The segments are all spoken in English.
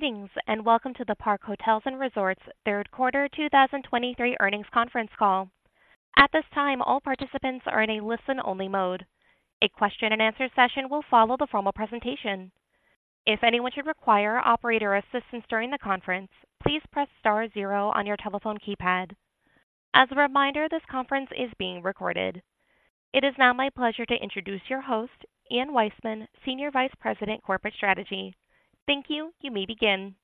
Greetings, and welcome to the Park Hotels & Resorts Third Quarter 2023 Earnings Conference Call. At this time, all participants are in a listen-only mode. A question and answer session will follow the formal presentation. If anyone should require operator assistance during the conference, please press star zero on your telephone keypad. As a reminder, this conference is being recorded. It is now my pleasure to introduce your host, Ian Weissman, Senior Vice President, Corporate Strategy. Thank you. You may begin.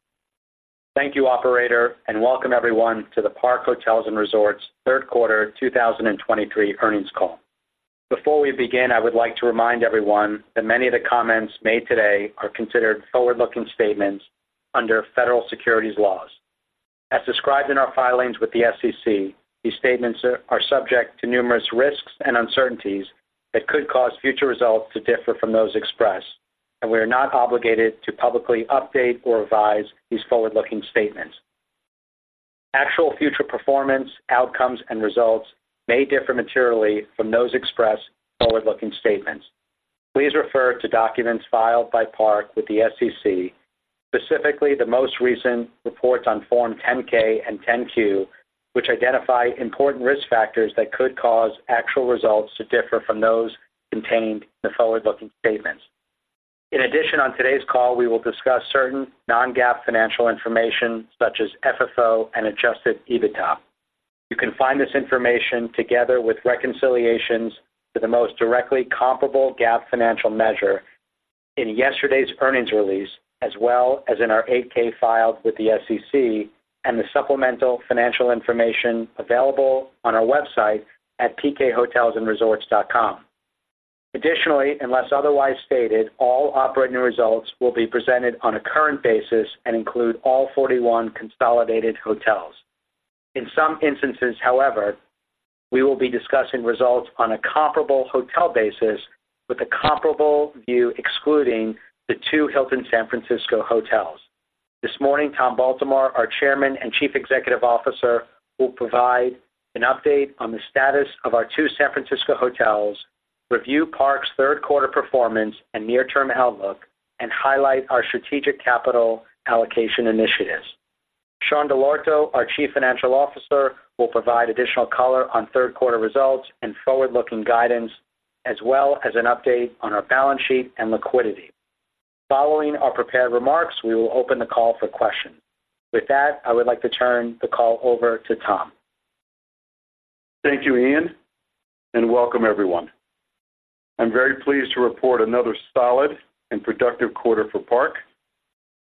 Thank you, operator, and welcome everyone to the Park Hotels & Resorts third quarter 2023 earnings call. Before we begin, I would like to remind everyone that many of the comments made today are considered forward-looking statements under federal securities laws. As described in our filings with the SEC, these statements are subject to numerous risks and uncertainties that could cause future results to differ from those expressed, and we are not obligated to publicly update or revise these forward-looking statements. Actual future performance, outcomes, and results may differ materially from those expressed forward-looking statements. Please refer to documents filed by Park with the SEC, specifically the most recent reports on Form 10-K and 10-Q, which identify important risk factors that could cause actual results to differ from those contained in the forward-looking statements. In addition, on today's call, we will discuss certain non-GAAP financial information such as FFO and adjusted EBITDA. You can find this information together with reconciliations to the most directly comparable GAAP financial measure in yesterday's earnings release, as well as in our 8-K filed with the SEC and the supplemental financial information available on our website at pkhotelsandresorts.com. Additionally, unless otherwise stated, all operating results will be presented on a current basis and include all 41 consolidated hotels. In some instances, however, we will be discussing results on a comparable hotel basis with a comparable view, excluding the two Hilton San Francisco hotels. This morning, Tom Baltimore, our Chairman and Chief Executive Officer, will provide an update on the status of our two San Francisco hotels, review Park's third quarter performance and near-term outlook, and highlight our strategic capital allocation initiatives. Sean Dell'Orto, our Chief Financial Officer, will provide additional color on third quarter results and forward-looking guidance, as well as an update on our balance sheet and liquidity. Following our prepared remarks, we will open the call for questions. With that, I would like to turn the call over to Tom. Thank you, Ian, and welcome everyone. I'm very pleased to report another solid and productive quarter for Park,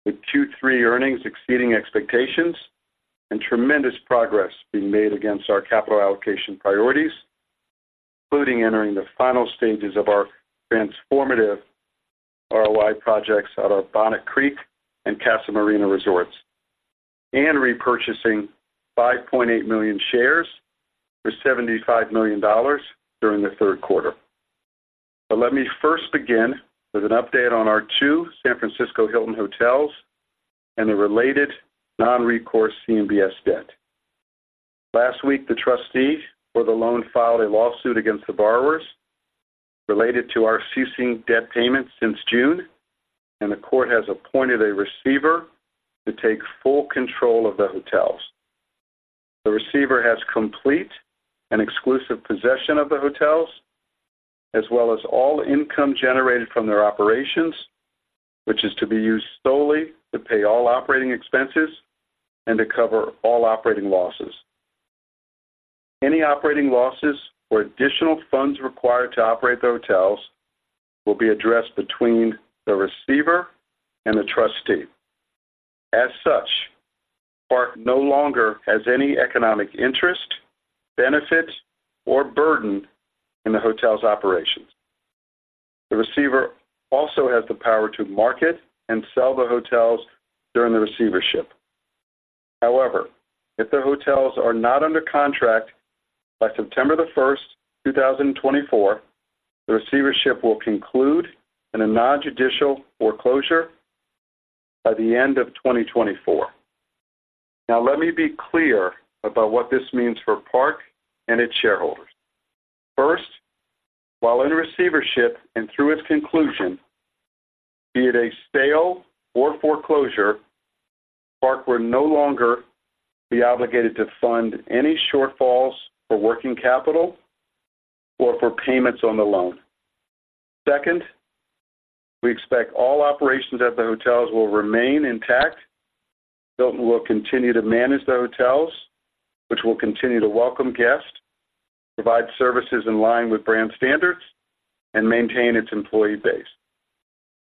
with Q3 earnings exceeding expectations and tremendous progress being made against our capital allocation priorities, including entering the final stages of our transformative ROI projects at our Bonnet Creek and Casa Marina resorts and repurchasing 5.8 million shares for $75 million during the third quarter. But let me first begin with an update on our 2 San Francisco Hilton hotels and the related non-recourse CMBS debt. Last week, the trustee for the loan filed a lawsuit against the borrowers related to our ceasing debt payments since June, and the court has appointed a receiver to take full control of the hotels. The receiver has complete and exclusive possession of the hotels, as well as all income generated from their operations, which is to be used solely to pay all operating expenses and to cover all operating losses. Any operating losses or additional funds required to operate the hotels will be addressed between the receiver and the trustee. As such, Park no longer has any economic interest, benefit, or burden in the hotel's operations. The receiver also has the power to market and sell the hotels during the receivership. However, if the hotels are not under contract by September 1, 2024, the receivership will conclude in a non-judicial foreclosure by the end of 2024. Now, let me be clear about what this means for Park and its shareholders. First, while in receivership and through its conclusion, be it a sale or foreclosure, Park will no longer be obligated to fund any shortfalls for working capital or for payments on the loan. Second, we expect all operations at the hotels will remain intact. Hilton will continue to manage the hotels, which will continue to welcome guests, provide services in line with brand standards, and maintain its employee base.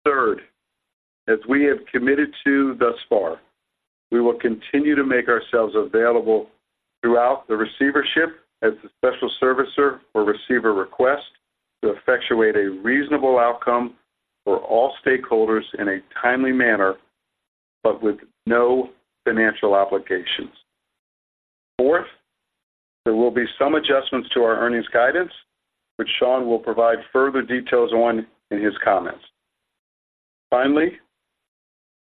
Third, as we have committed to thus far, we will continue to make ourselves available throughout the receivership as the special servicer or receiver request to effectuate a reasonable outcome for all stakeholders in a timely manner, but with no financial obligations. Fourth, there will be some adjustments to our earnings guidance, which Sean will provide further details on in his comments. Finally,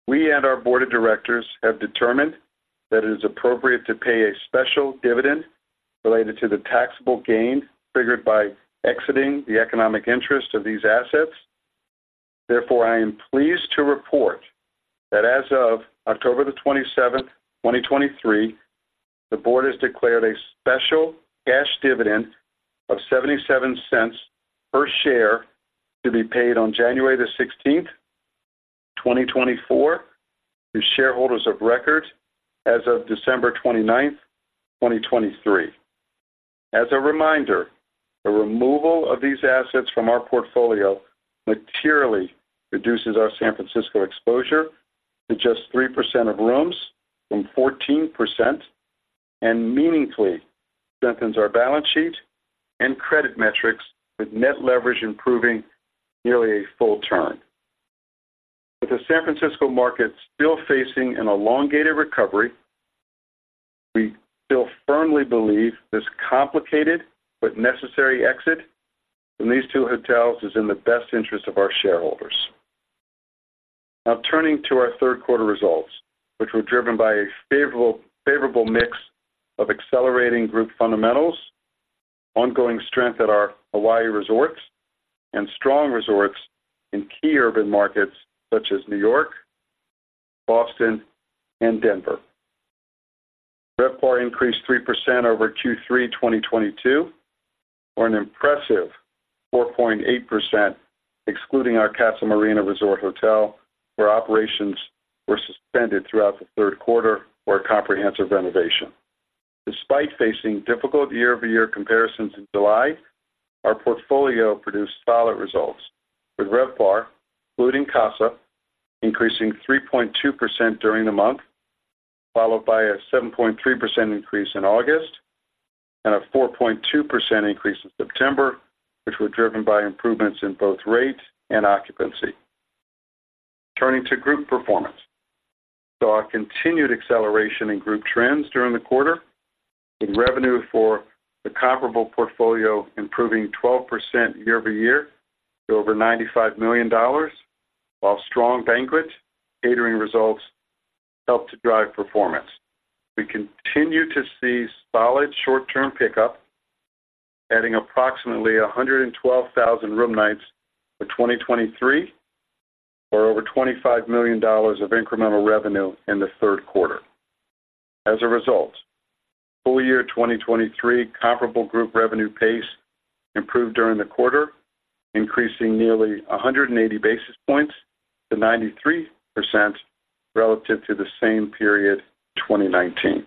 we and our board of directors have determined that it is appropriate to pay a special dividend... related to the taxable gain triggered by exiting the economic interest of these assets. Therefore, I am pleased to report that as of October 27, 2023, the board has declared a special cash dividend of $0.77 per share to be paid on January 16, 2024, to shareholders of record as of December 29, 2023. As a reminder, the removal of these assets from our portfolio materially reduces our San Francisco exposure to just 3% of rooms from 14%, and meaningfully strengthens our balance sheet and credit metrics, with net leverage improving nearly a full term. With the San Francisco market still facing an elongated recovery, we still firmly believe this complicated but necessary exit from these two hotels is in the best interest of our shareholders. Now, turning to our third quarter results, which were driven by a favorable, favorable mix of accelerating group fundamentals, ongoing strength at our Hawaii resorts, and strong resorts in key urban markets such as New York, Boston, and Denver. RevPAR increased 3% over Q3 2022, or an impressive 4.8%, excluding our Casa Marina Resort Hotel, where operations were suspended throughout the third quarter for a comprehensive renovation. Despite facing difficult year-over-year comparisons in July, our portfolio produced solid results, with RevPAR, including Casa, increasing 3.2% during the month, followed by a 7.3% increase in August and a 4.2% increase in September, which were driven by improvements in both rate and occupancy. Turning to group performance. So our continued acceleration in group trends during the quarter, with revenue for the comparable portfolio improving 12% year over year to over $95 million, while strong banquet catering results helped to drive performance. We continue to see solid short-term pickup, adding approximately 112,000 room nights for 2023, or over $25 million of incremental revenue in the third quarter. As a result, full year 2023 comparable group revenue pace improved during the quarter, increasing nearly 180 basis points to 93% relative to the same period, 2019.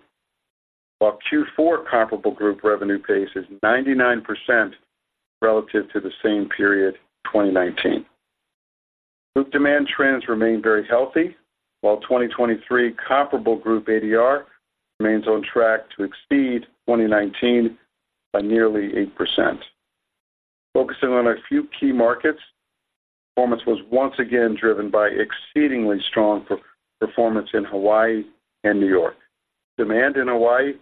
While Q4 comparable group revenue pace is 99% relative to the same period, 2019. Group demand trends remain very healthy, while 2023 comparable group ADR remains on track to exceed 2019 by nearly 8%. Focusing on a few key markets, performance was once again driven by exceedingly strong peer performance in Hawaii and New York. Demand in Hawaii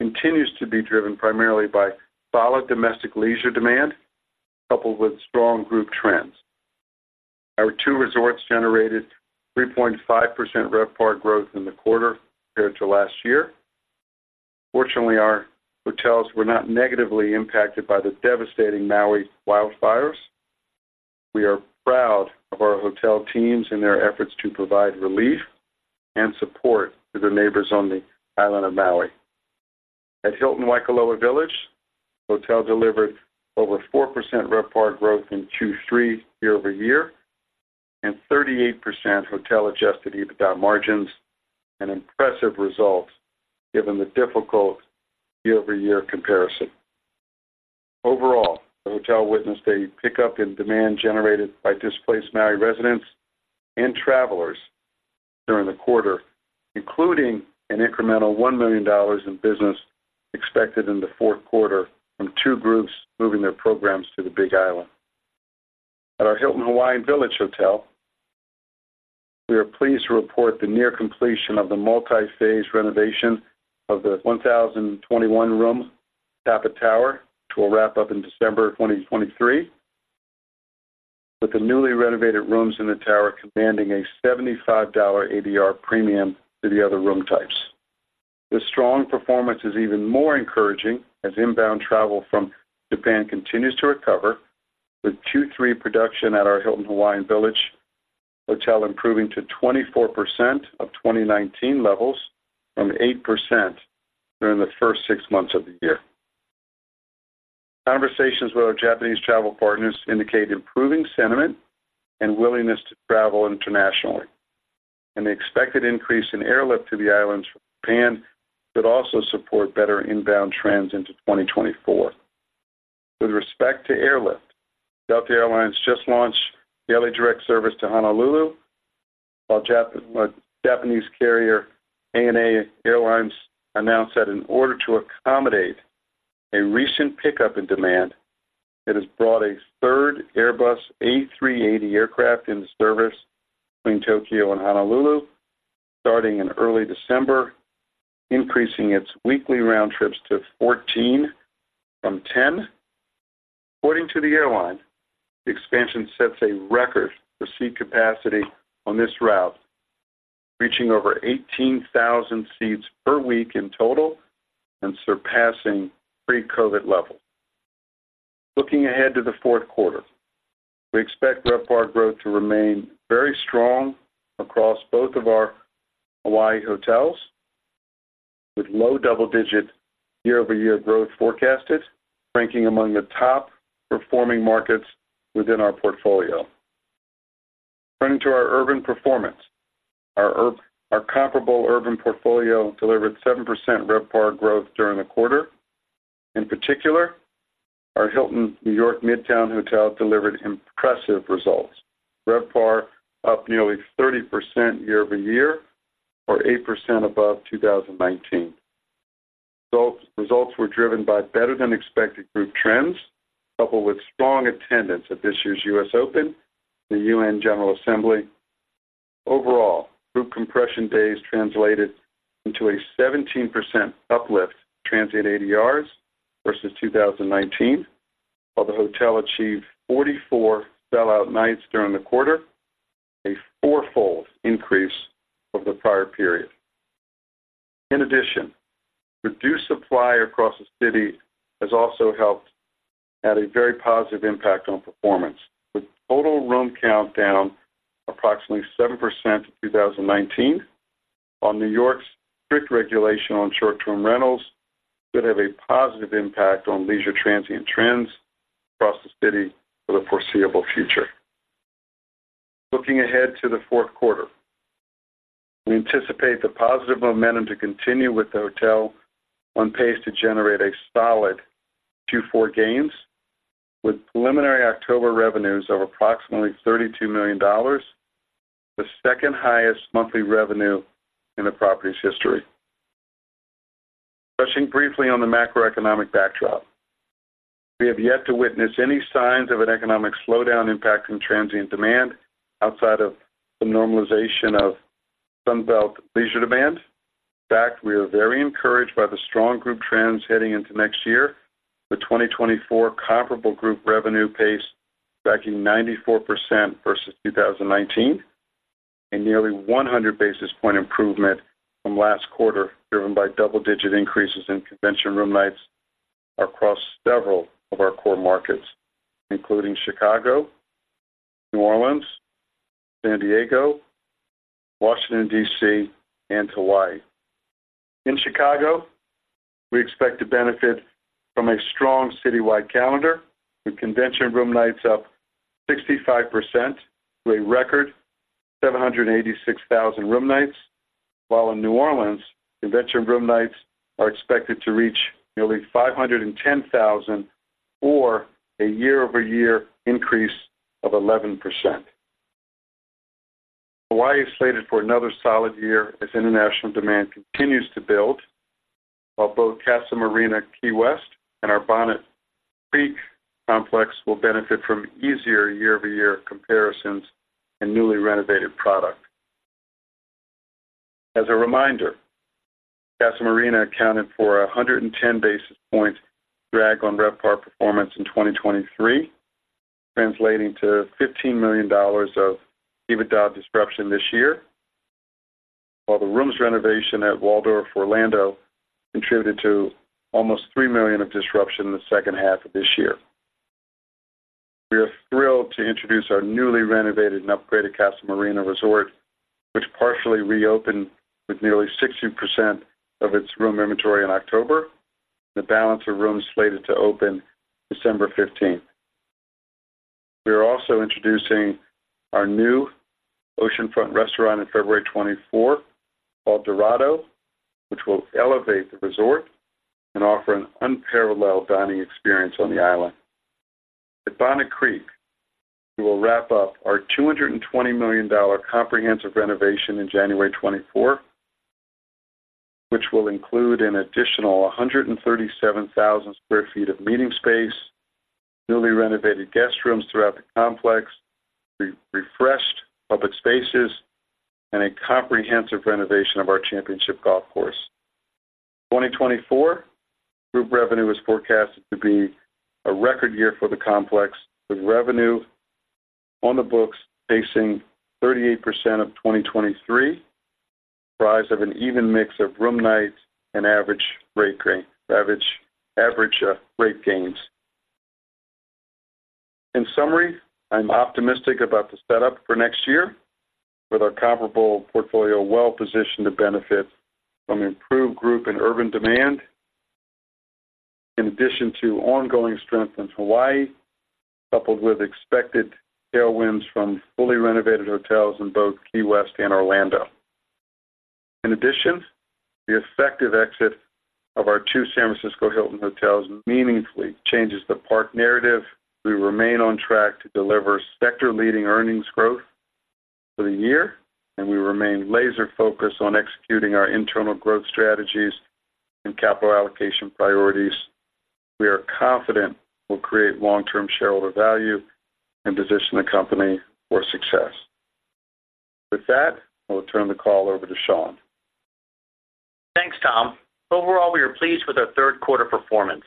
continues to be driven primarily by solid domestic leisure demand, coupled with strong group trends. Our two resorts generated 3.5% RevPAR growth in the quarter compared to last year. Fortunately, our hotels were not negatively impacted by the devastating Maui wildfires. We are proud of our hotel teams and their efforts to provide relief and support to their neighbors on the island of Maui. At Hilton Waikoloa Village, hotel delivered over 4% RevPAR growth in Q3 year-over-year, and 38% hotel adjusted EBITDA margins, an impressive result given the difficult year-over-year comparison. Overall, the hotel witnessed a pickup in demand generated by displaced Maui residents and travelers during the quarter, including an incremental $1 million in business expected in the fourth quarter from two groups moving their programs to the Big Island. At our Hilton Hawaiian Village Hotel, we are pleased to report the near completion of the multi-phase renovation of the 1,021-room Tapa Tower, which will wrap up in December 2023, with the newly renovated rooms in the tower commanding a $75 ADR premium to the other room types. The strong performance is even more encouraging as inbound travel from Japan continues to recover, with Q3 production at our Hilton Hawaiian Village hotel improving to 24% of 2019 levels from 8% during the first six months of the year. Conversations with our Japanese travel partners indicate improving sentiment and willingness to travel internationally, and the expected increase in airlift to the islands from Japan should also support better inbound trends into 2024. With respect to airlift, Delta Air Lines just launched daily direct service to Honolulu, while Japanese carrier ANA Airlines announced that in order to accommodate a recent pickup in demand, it has brought a third Airbus A380 aircraft into service between Tokyo and Honolulu, starting in early December, increasing its weekly round trips to 14 from 10. According to the airline, the expansion sets a record for seat capacity on this route, reaching over 18,000 seats per week in total and surpassing pre-COVID levels. Looking ahead to the fourth quarter, we expect RevPAR growth to remain very strong across both of our Hawaii hotels, with low double-digit year-over-year growth forecasted, ranking among the top performing markets within our portfolio. Turning to our urban performance. Our comparable urban portfolio delivered 7% RevPAR growth during the quarter. In particular, our Hilton New York Midtown hotel delivered impressive results. RevPAR up nearly 30% year-over-year, or 8% above 2019. Results, results were driven by better than expected group trends, coupled with strong attendance at this year's US Open, the UN General Assembly. Overall, group compression days translated into a 17% uplift transient ADRs versus 2019, while the hotel achieved 44 sellout nights during the quarter, a fourfold increase over the prior period. In addition, reduced supply across the city has also had a very positive impact on performance, with total room count down approximately 7% to 2019. On New York's strict regulation on short-term rentals could have a positive impact on leisure transient trends across the city for the foreseeable future. Looking ahead to the fourth quarter, we anticipate the positive momentum to continue, with the hotel on pace to generate a solid Q4 gains, with preliminary October revenues of approximately $32 million, the second highest monthly revenue in the property's history. Touching briefly on the macroeconomic backdrop. We have yet to witness any signs of an economic slowdown impacting transient demand outside of the normalization of Sunbelt leisure demand. In fact, we are very encouraged by the strong group trends heading into next year. The 2024 comparable group revenue pace tracking 94% versus 2019, a nearly 100 basis point improvement from last quarter, driven by double-digit increases in convention room nights across several of our core markets, including Chicago, New Orleans, San Diego, Washington, D.C., and Hawaii. In Chicago, we expect to benefit from a strong citywide calendar, with convention room nights up 65% to a record 786,000 room nights. While in New Orleans, convention room nights are expected to reach nearly 510,000, or a year-over-year increase of 11%. Hawaii is slated for another solid year as international demand continues to build, while both Casa Marina, Key West and our Bonnet Creek complex will benefit from easier year-over-year comparisons and newly renovated product. As a reminder, Casa Marina Resort accounted for 110 basis points drag on RevPAR performance in 2023, translating to $15 million of EBITDA disruption this year. While the rooms renovation at Waldorf Astoria Orlando contributed to almost $3 million of disruption in the second half of this year. We are thrilled to introduce our newly renovated and upgraded Casa Marina Resort, which partially reopened with nearly 60% of its room inventory in October. The balance of rooms slated to open December 15. We are also introducing our new oceanfront restaurant in February 2024, called Dorado, which will elevate the resort and offer an unparalleled dining experience on the island. At Bonnet Creek, we will wrap up our $220 million comprehensive renovation in January 2024, which will include an additional 137,000 sq ft of meeting space, newly renovated guest rooms throughout the complex, re-refreshed public spaces, and a comprehensive renovation of our championship golf course. 2024, group revenue is forecasted to be a record year for the complex, with revenue on the books pacing 38% of 2023, comprised of an even mix of room nights and average rate gains. In summary, I'm optimistic about the setup for next year, with our comparable portfolio well positioned to benefit from improved group and urban demand, in addition to ongoing strength in Hawaii, coupled with expected tailwinds from fully renovated hotels in both Key West and Orlando. In addition, the effective exit of our two San Francisco Hilton hotels meaningfully changes the Park narrative. We remain on track to deliver sector-leading earnings growth for the year, and we remain laser focused on executing our internal growth strategies and capital allocation priorities. We are confident we'll create long-term shareholder value and position the company for success. With that, I'll turn the call over to Sean.... Thanks, Tom. Overall, we are pleased with our third quarter performance.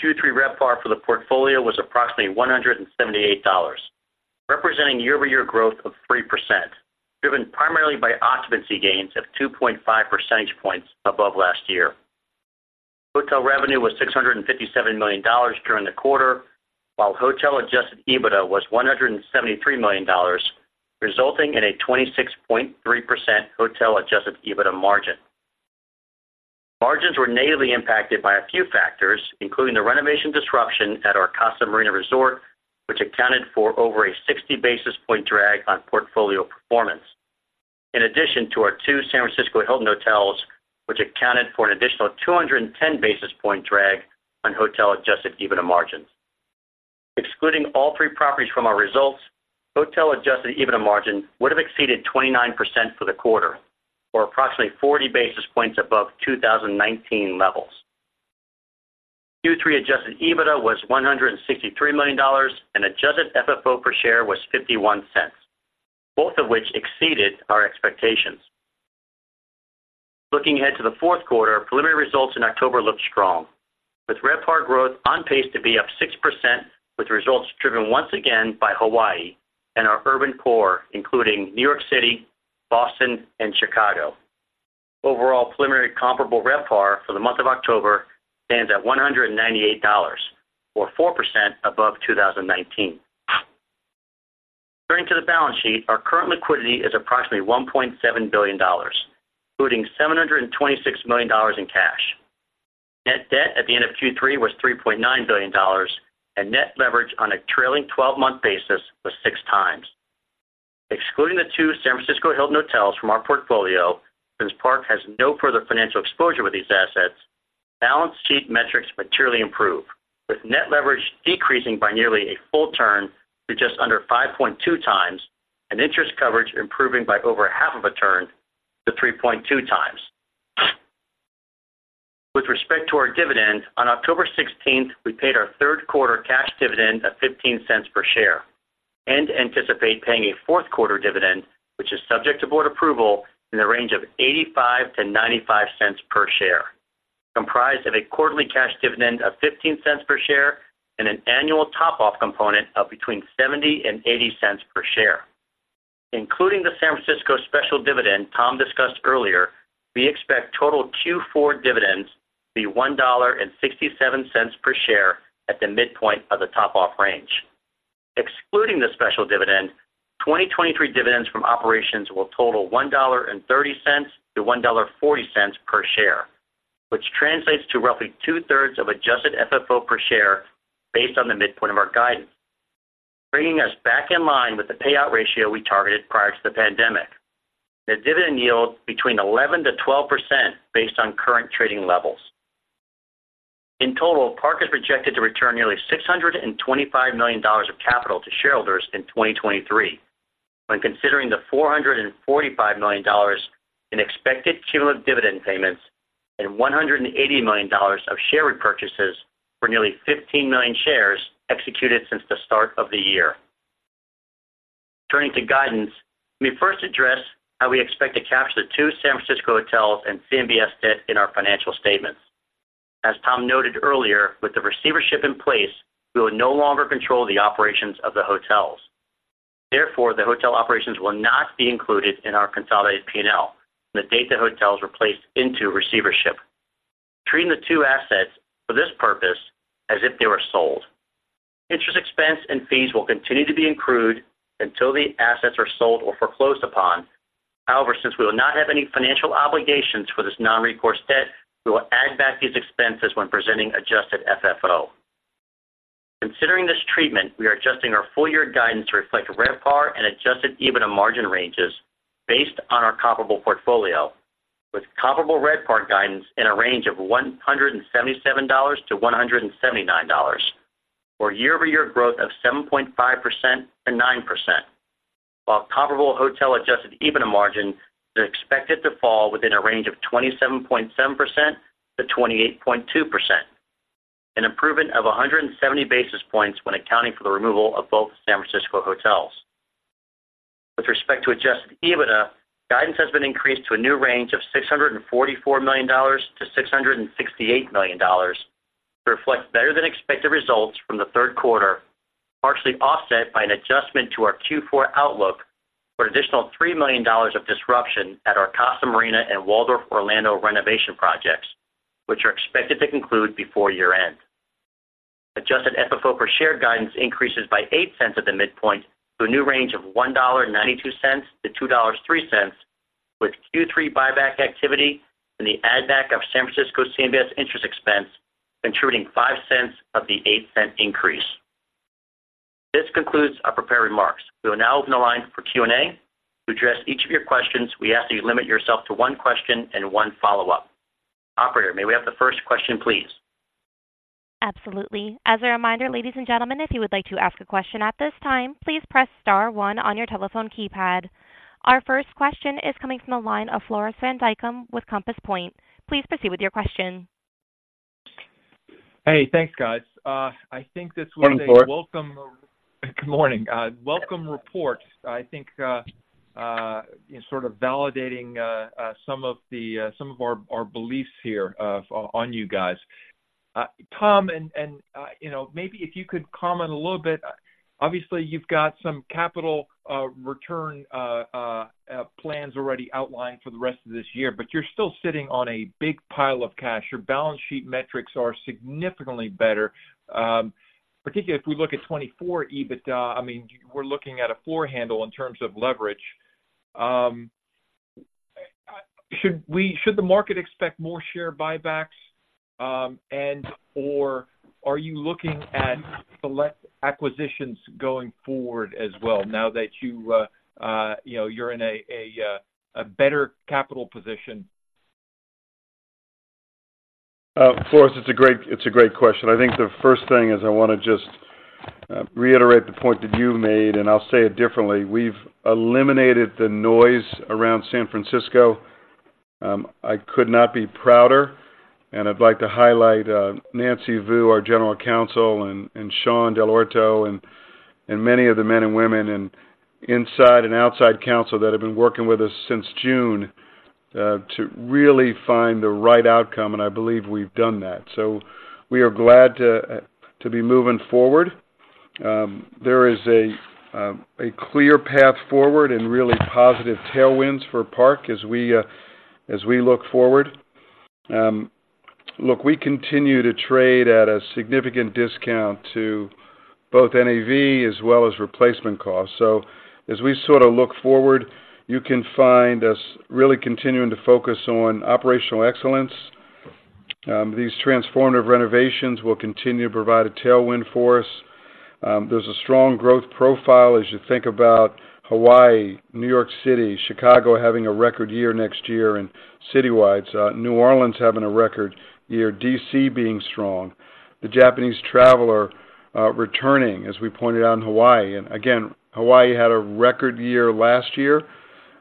Q3 RevPAR for the portfolio was approximately $178, representing year-over-year growth of 3%, driven primarily by occupancy gains of 2.5 percentage points above last year. Hotel revenue was $657 million during the quarter, while hotel adjusted EBITDA was $173 million, resulting in a 26.3% hotel adjusted EBITDA margin. Margins were negatively impacted by a few factors, including the renovation disruption at our Casa Marina Resort, which accounted for over a 60 basis point drag on portfolio performance. In addition to our two San Francisco Hilton hotels, which accounted for an additional 210 basis point drag on hotel adjusted EBITDA margins. Excluding all three properties from our results, hotel adjusted EBITDA margin would have exceeded 29% for the quarter, or approximately 40 basis points above 2019 levels. Q3 adjusted EBITDA was $163 million, and adjusted FFO per share was $0.51, both of which exceeded our expectations. Looking ahead to the fourth quarter, preliminary results in October looked strong, with RevPAR growth on pace to be up 6%, with results driven once again by Hawaii and our urban core, including New York City, Boston, and Chicago. Overall, preliminary comparable RevPAR for the month of October stands at $198, or 4% above 2019. Turning to the balance sheet, our current liquidity is approximately $1.7 billion, including $726 million in cash. Net debt at the end of Q3 was $3.9 billion, and net leverage on a trailing twelve-month basis was 6x. Excluding the 2 San Francisco Hilton hotels from our portfolio, since Park has no further financial exposure with these assets, balance sheet metrics materially improve, with net leverage decreasing by nearly a full turn to just under 5.2x, and interest coverage improving by over half of a turn to 3.2x. With respect to our dividend, on October 16, we paid our third quarter cash dividend of $0.15 per share and anticipate paying a fourth quarter dividend, which is subject to board approval, in the range of $0.85-$0.95 per share, comprised of a quarterly cash dividend of $0.15 per share and an annual top-off component of between $0.70 and $0.80 per share. Including the San Francisco special dividend Tom discussed earlier, we expect total Q4 dividends to be $1.67 per share at the midpoint of the top-off range. Excluding the special dividend, 2023 dividends from operations will total $1.30-$1.40 per share, which translates to roughly two-thirds of adjusted FFO per share based on the midpoint of our guidance, bringing us back in line with the payout ratio we targeted prior to the pandemic. The dividend yields 11%-12% based on current trading levels. In total, Park is projected to return nearly $625 million of capital to shareholders in 2023, when considering the $445 million in expected cumulative dividend payments and $180 million of share repurchases for nearly 15 million shares executed since the start of the year. Turning to guidance, let me first address how we expect to capture the two San Francisco hotels and CMBS debt in our financial statements. As Tom noted earlier, with the receivership in place, we will no longer control the operations of the hotels. Therefore, the hotel operations will not be included in our consolidated P&L, the date the hotels were placed into receivership, treating the two assets for this purpose as if they were sold. Interest, expense, and fees will continue to be accrued until the assets are sold or foreclosed upon. However, since we will not have any financial obligations for this non-recourse debt, we will add back these expenses when presenting adjusted FFO. Considering this treatment, we are adjusting our full year guidance to reflect RevPAR and adjusted EBITDA margin ranges based on our comparable portfolio, with comparable RevPAR guidance in a range of $177-$179, or year-over-year growth of 7.5%-9%, while comparable hotel adjusted EBITDA margin is expected to fall within a range of 27.7%-28.2%, an improvement of 170 basis points when accounting for the removal of both San Francisco hotels. With respect to adjusted EBITDA, guidance has been increased to a new range of $644 million-$668 million, to reflect better-than-expected results from the third quarter, partially offset by an adjustment to our Q4 outlook for an additional $3 million of disruption at our Casa Marina and Waldorf Orlando renovation projects, which are expected to conclude before year-end. Adjusted FFO per share guidance increases by $0.08 at the midpoint to a new range of $1.92-$2.03, with Q3 buyback activity and the add back of San Francisco CMBS interest expense contributing 5 cents of the 8-cent increase. This concludes our prepared remarks. We will now open the line for Q&A. To address each of your questions, we ask that you limit yourself to one question and one follow-up. Operator, may we have the first question, please? Absolutely. As a reminder, ladies and gentlemen, if you would like to ask a question at this time, please press star one on your telephone keypad. Our first question is coming from the line of Floris van Dijkum with Compass Point. Please proceed with your question. ... Hey, thanks, guys. I think this was a welcome- Morning, Floris. Good morning. Welcome report. I think, sort of validating some of the, some of our beliefs here, on you guys. Tom, and, you know, maybe if you could comment a little bit. Obviously, you've got some capital return plans already outlined for the rest of this year, but you're still sitting on a big pile of cash. Your balance sheet metrics are significantly better, particularly if we look at 2024 EBITDA. I mean, we're looking at a four handle in terms of leverage. Should we—should the market expect more share buybacks, and/or are you looking at select acquisitions going forward as well, now that you, you know, you're in a better capital position? Floris, it's a great, it's a great question. I think the first thing is I wanna just, reiterate the point that you made, and I'll say it differently. We've eliminated the noise around San Francisco. I could not be prouder, and I'd like to highlight, Nancy Wu, our General Counsel, and, and Sean Dell'Orto, and, and many of the men and women in inside and outside counsel that have been working with us since June, to really find the right outcome, and I believe we've done that. So we are glad to, to be moving forward. There is a, a clear path forward and really positive tailwinds for Park as we, as we look forward. Look, we continue to trade at a significant discount to both NAV as well as replacement costs. So as we sort of look forward, you can find us really continuing to focus on operational excellence. These transformative renovations will continue to provide a tailwind for us. There's a strong growth profile as you think about Hawaii, New York City, Chicago, having a record year next year, and citywide. So New Orleans having a record year, D.C. being strong. The Japanese traveler returning, as we pointed out in Hawaii. And again, Hawaii had a record year last year.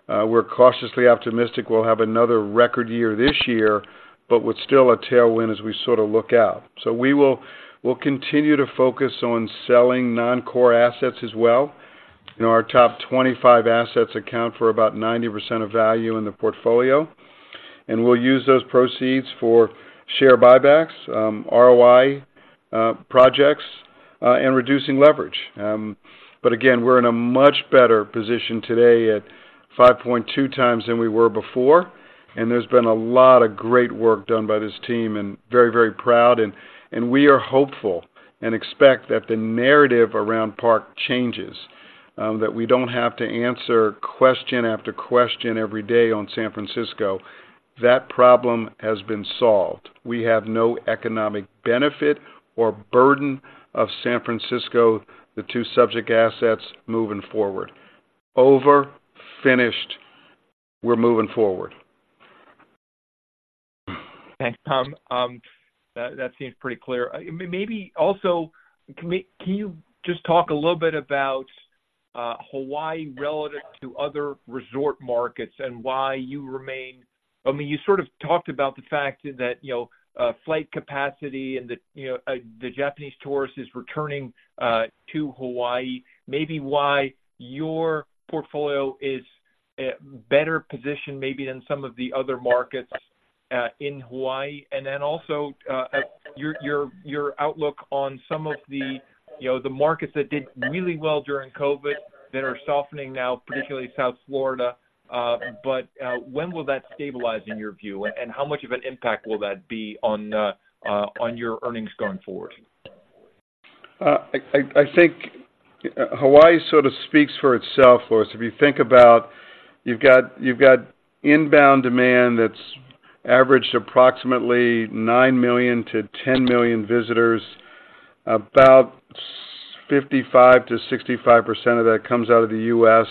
We're cautiously optimistic we'll have another record year this year, but with still a tailwind as we sort of look out. So we will continue to focus on selling non-core assets as well. You know, our top 25 assets account for about 90% of value in the portfolio, and we'll use those proceeds for share buybacks, ROI projects, and reducing leverage. But again, we're in a much better position today at 5.2x than we were before, and there's been a lot of great work done by this team, and very, very proud. And we are hopeful and expect that the narrative around Park changes, that we don't have to answer question after question every day on San Francisco. That problem has been solved. We have no economic benefit or burden of San Francisco, the two subject assets moving forward. Over, finished. We're moving forward. Thanks, Tom. That seems pretty clear. Maybe also, can you just talk a little bit about Hawaii relative to other resort markets and why you remain... I mean, you sort of talked about the fact that, you know, flight capacity and the, you know, the Japanese tourist is returning to Hawaii. Maybe why your portfolio is at better position maybe than some of the other markets in Hawaii. And then also, your outlook on some of the, you know, the markets that did really well during COVID that are softening now, particularly South Florida. But, when will that stabilize, in your view, and how much of an impact will that be on on your earnings going forward? I think Hawaii sort of speaks for itself, Floris. If you think about, you've got inbound demand that's averaged approximately 9 million-10 million visitors. About 55%-65% of that comes out of the U.S.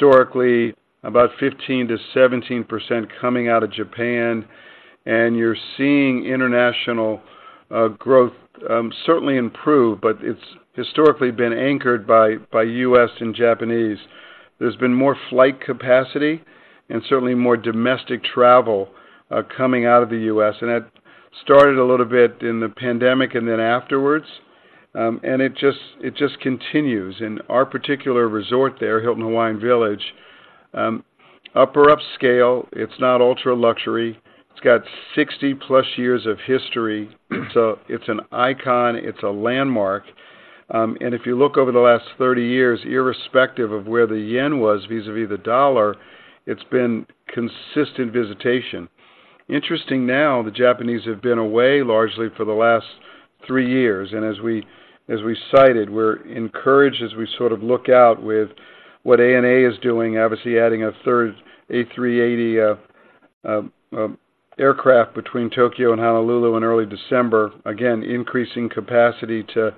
Historically, about 15%-17% coming out of Japan, and you're seeing international growth certainly improve, but it's historically been anchored by US and Japanese. There's been more flight capacity and certainly more domestic travel coming out of the U.S., and that started a little bit in the pandemic and then afterwards, and it just continues. In our particular resort there, Hilton Hawaiian Village, upper upscale, it's not ultra-luxury. It's got 60+ years of history, so it's an icon, it's a landmark. And if you look over the last 30 years, irrespective of where the yen was vis-à-vis the dollar, it's been consistent visitation. Interesting now, the Japanese have been away largely for the last 3 years, and as we cited, we're encouraged as we sort of look out with what ANA is doing, obviously adding a third A380 aircraft between Tokyo and Honolulu in early December. Again, increasing capacity to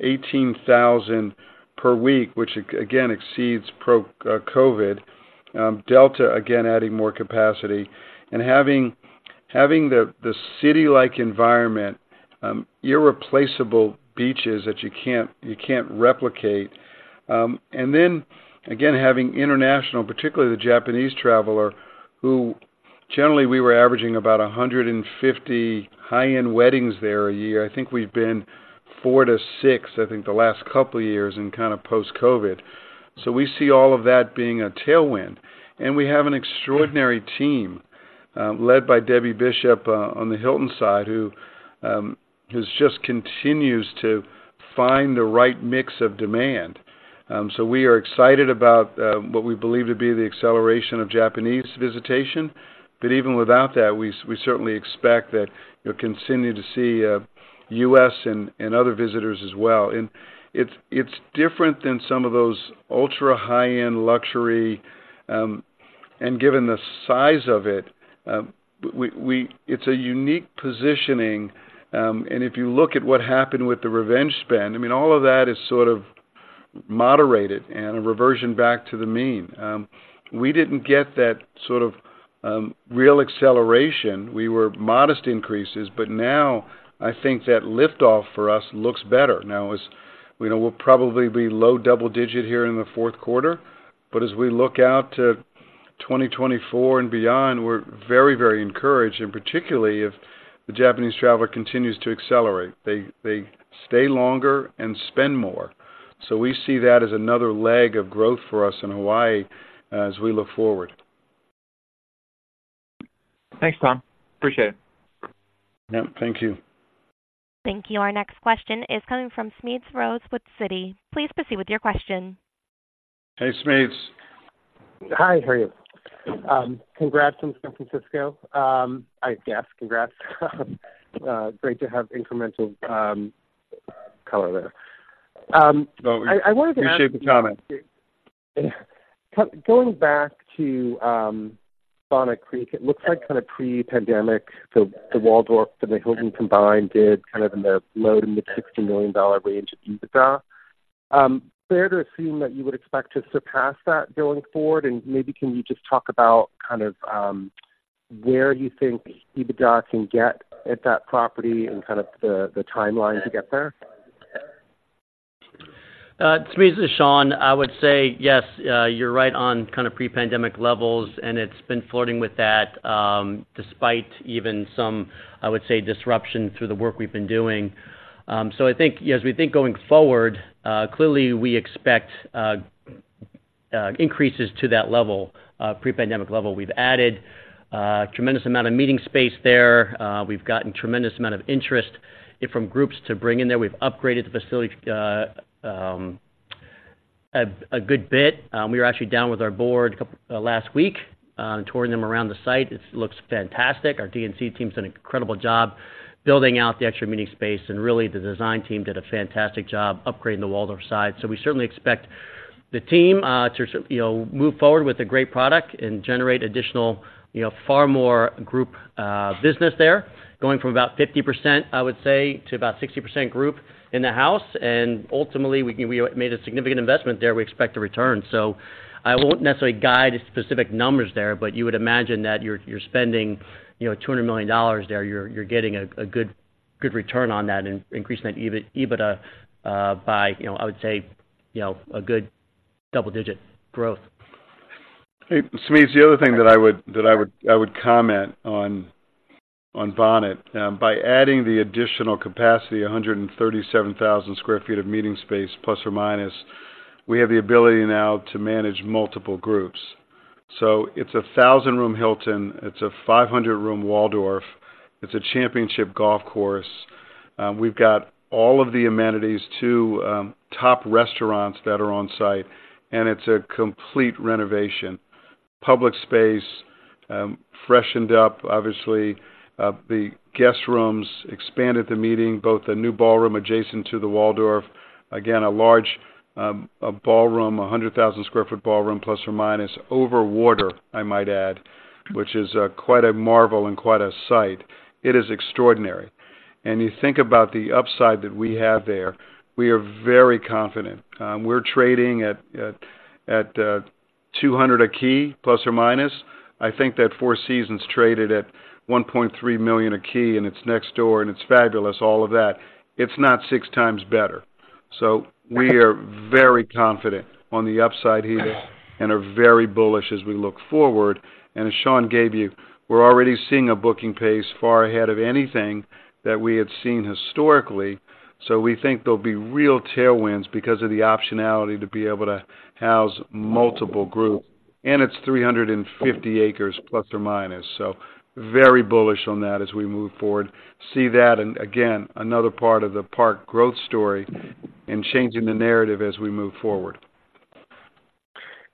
18,000 per week, which again exceeds pre-COVID. Delta, again, adding more capacity and having the city-like environment, irreplaceable beaches that you can't replicate. And then, again, having international, particularly the Japanese traveler... who, generally, we were averaging about 150 high-end weddings there a year. I think we've been 4-6, I think, the last couple of years in kind of post-COVID. So we see all of that being a tailwind. And we have an extraordinary team, led by Debi Bishop, on the Hilton side, who continues to find the right mix of demand. So we are excited about what we believe to be the acceleration of Japanese visitation. But even without that, we certainly expect that you'll continue to see U.S. and other visitors as well. And it's different than some of those ultra high-end luxury. And given the size of it, it's a unique positioning. And if you look at what happened with the revenge spend, I mean, all of that is sort of moderated and a reversion back to the mean. We didn't get that sort of real acceleration. We were modest increases, but now I think that lift-off for us looks better. Now, as we know, we'll probably be low double-digit here in the fourth quarter, but as we look out to 2024 and beyond, we're very, very encouraged, and particularly if the Japanese traveler continues to accelerate. They, they stay longer and spend more. So we see that as another leg of growth for us in Hawaii as we look forward. Thanks, Tom. Appreciate it. Yep, thank you. Thank you. Our next question is coming from Smedes Rose with Citi. Please proceed with your question. Hey, Smedes. Hi, how are you? Congrats from San Francisco. I guess, congrats. Great to have incremental color there. I wanted to- Appreciate the comment. Going back to Bonnet Creek, it looks like kind of pre-pandemic, so the Waldorf and the Hilton combined did kind of in the low- to mid-$60 million range of EBITDA. Fair to assume that you would expect to surpass that going forward? And maybe can you just talk about kind of where you think EBITDA can get at that property and kind of the timeline to get there? Smedes, this is Sean. I would say, yes, you're right on kind of pre-pandemic levels, and it's been flirting with that, despite even some, I would say, disruption through the work we've been doing. So I think, as we think going forward, clearly, we expect increases to that level, pre-pandemic level. We've added tremendous amount of meeting space there. We've gotten tremendous amount of interest from groups to bring in there. We've upgraded the facility a good bit. We were actually down with our board couple last week, and touring them around the site. It looks fantastic. Our D&C team's done an incredible job building out the extra meeting space, and really, the design team did a fantastic job upgrading the Waldorf side. So we certainly expect the team to, you know, move forward with a great product and generate additional, you know, far more group business there. Going from about 50%, I would say, to about 60% group in the house, and ultimately, we made a significant investment there, we expect a return. So I won't necessarily guide specific numbers there, but you would imagine that you're spending, you know, $200 million there, you're getting a good return on that and increasing that EBITDA by, you know, I would say, you know, a good double-digit growth. Hey, Smedes, the other thing that I would comment on Bonnet. By adding the additional capacity, 137,000 sq ft of meeting space ±, we have the ability now to manage multiple groups. So it's a 1,000-room Hilton, it's a 500-room Waldorf, it's a championship golf course. We've got all of the amenities, two top restaurants that are on site, and it's a complete renovation. Public space freshened up, obviously, the guest rooms, expanded the meeting, both a new ballroom adjacent to the Waldorf. Again, a large ballroom, 100,000 sq ft ballroom ±, over water, I might add, which is quite a marvel and quite a sight. It is extraordinary. And you think about the upside that we have there. We are very confident. We're trading at 200 a key ±. I think that Four Seasons traded at $1.3 million a key, and it's next door, and it's fabulous, all of that. It's not 6x better. So we are very confident on the upside here and are very bullish as we look forward. And as Sean gave you, we're already seeing a booking pace far ahead of anything that we had seen historically. So we think there'll be real tailwinds because of the optionality to be able to house multiple groups. And it's 350 acres ±, so very bullish on that as we move forward. See that and, again, another part of the Park growth story and changing the narrative as we move forward.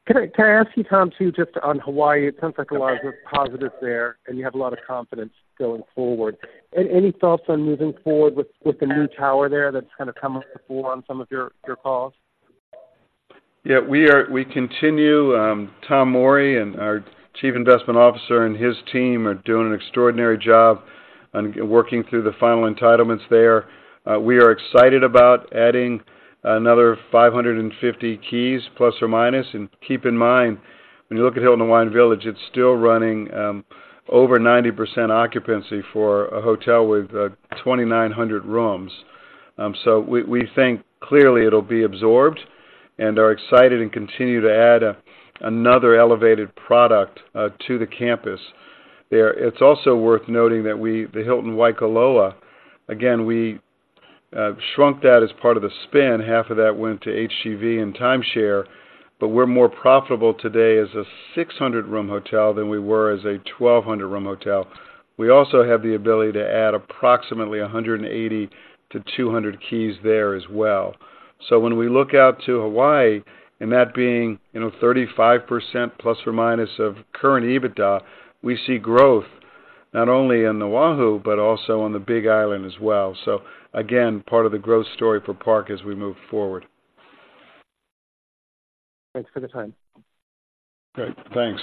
Can I, can I ask you, Tom, too, just on Hawaii? It sounds like a lot of positives there, and you have a lot of confidence going forward. Any thoughts on moving forward with, with the new tower there that's kind of come up before on some of your, your calls? Yeah, we continue, Thomas Morey and our Chief Investment Officer and his team are doing an extraordinary job on working through the final entitlements there. We are excited about adding another 550 keys, plus or minus. And keep in mind, when you look at Hilton Hawaiian Village, it's still running over 90% occupancy for a hotel with 2,900 rooms. So we think clearly it'll be absorbed, and are excited and continue to add another elevated product to the campus there. It's also worth noting that the Hilton Waikoloa, again, we shrunk that as part of the spin. Half of that went to HGV and Timeshare, but we're more profitable today as a 600-room hotel than we were as a 1,200-room hotel. We also have the ability to add approximately 180-200 keys there as well. So when we look out to Hawaii, and that being, you know, 35% ± of current EBITDA, we see growth not only in Oahu but also on the Big Island as well. So again, part of the growth story for Park as we move forward. Thanks for the time. Great. Thanks.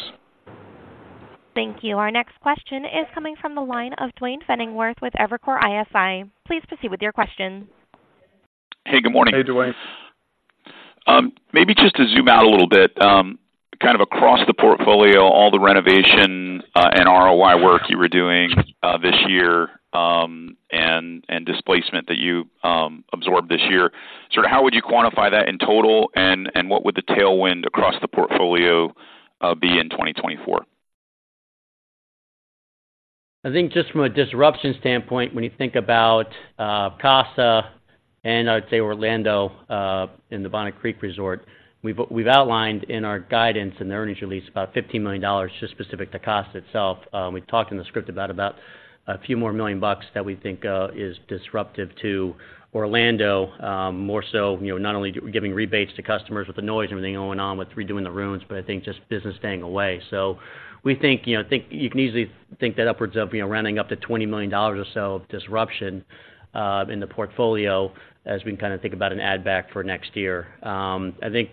Thank you. Our next question is coming from the line of Duane Pfennigwerth with Evercore ISI. Please proceed with your question. Hey, good morning. Hey, Duane. Maybe just to zoom out a little bit, kind of across the portfolio, all the renovation and ROI work you were doing this year, and displacement that you absorbed this year. Sort of how would you quantify that in total, and what would the tailwind across the portfolio be in 2024? I think just from a disruption standpoint, when you think about Casa and I'd say Orlando in the Bonnet Creek Resort, we've outlined in our guidance in the earnings release about $15 million just specific to Casa itself. We've talked in the script about a few more million bucks that we think is disruptive to Orlando, more so, you know, not only giving rebates to customers with the noise and everything going on with redoing the rooms, but I think just business staying away. So we think, you know, you can easily think that upwards of, you know, rounding up to $20 million or so of disruption in the portfolio as we kind of think about an add-back for next year. I think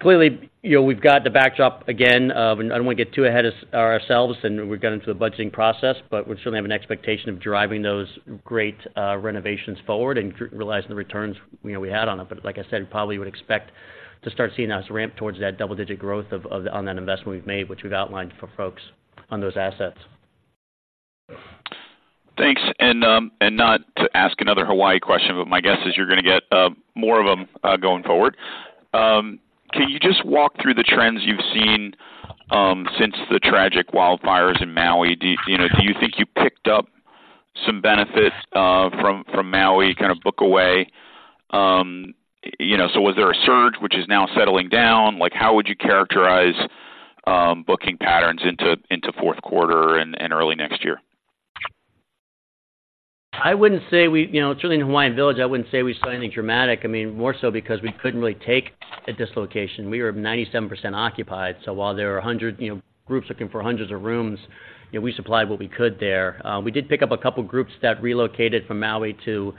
clearly, you know, we've got the backdrop again, of, I don't want to get too ahead of ourselves, and we've got into the budgeting process, but we certainly have an expectation of driving those great renovations forward and realizing the returns, you know, we had on it. But like I said, probably would expect to start seeing us ramp towards that double-digit growth of, on that investment we've made, which we've outlined for folks on those assets. Thanks. And not to ask another Hawaii question, but my guess is you're gonna get more of them going forward. Can you just walk through the trends you've seen since the tragic wildfires in Maui? Do you know, do you think you picked up some benefit from Maui, kind of book away? You know, so was there a surge which is now settling down? Like, how would you characterize booking patterns into fourth quarter and early next year? I wouldn't say we... You know, certainly in Hawaiian Village, I wouldn't say we saw anything dramatic. I mean, more so because we couldn't really take a dislocation. We were 97% occupied, so while there are 100, you know, groups looking for hundreds of rooms, you know, we supplied what we could there. We did pick up a couple groups that relocated from Maui to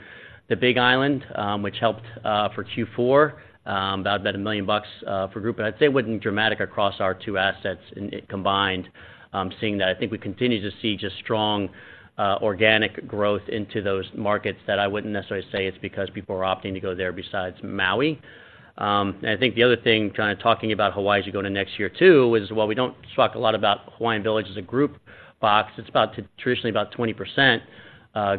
the Big Island, which helped, for Q4, about $1 million, for group. But I'd say it wasn't dramatic across our two assets in it combined. Seeing that, I think we continue to see just strong, organic growth into those markets, that I wouldn't necessarily say it's because people are opting to go there besides Maui. I think the other thing, kind of talking about Hawaii as you go to next year, too, is, while we don't talk a lot about Hawaiian Village as a group box, it's about traditionally about 20%,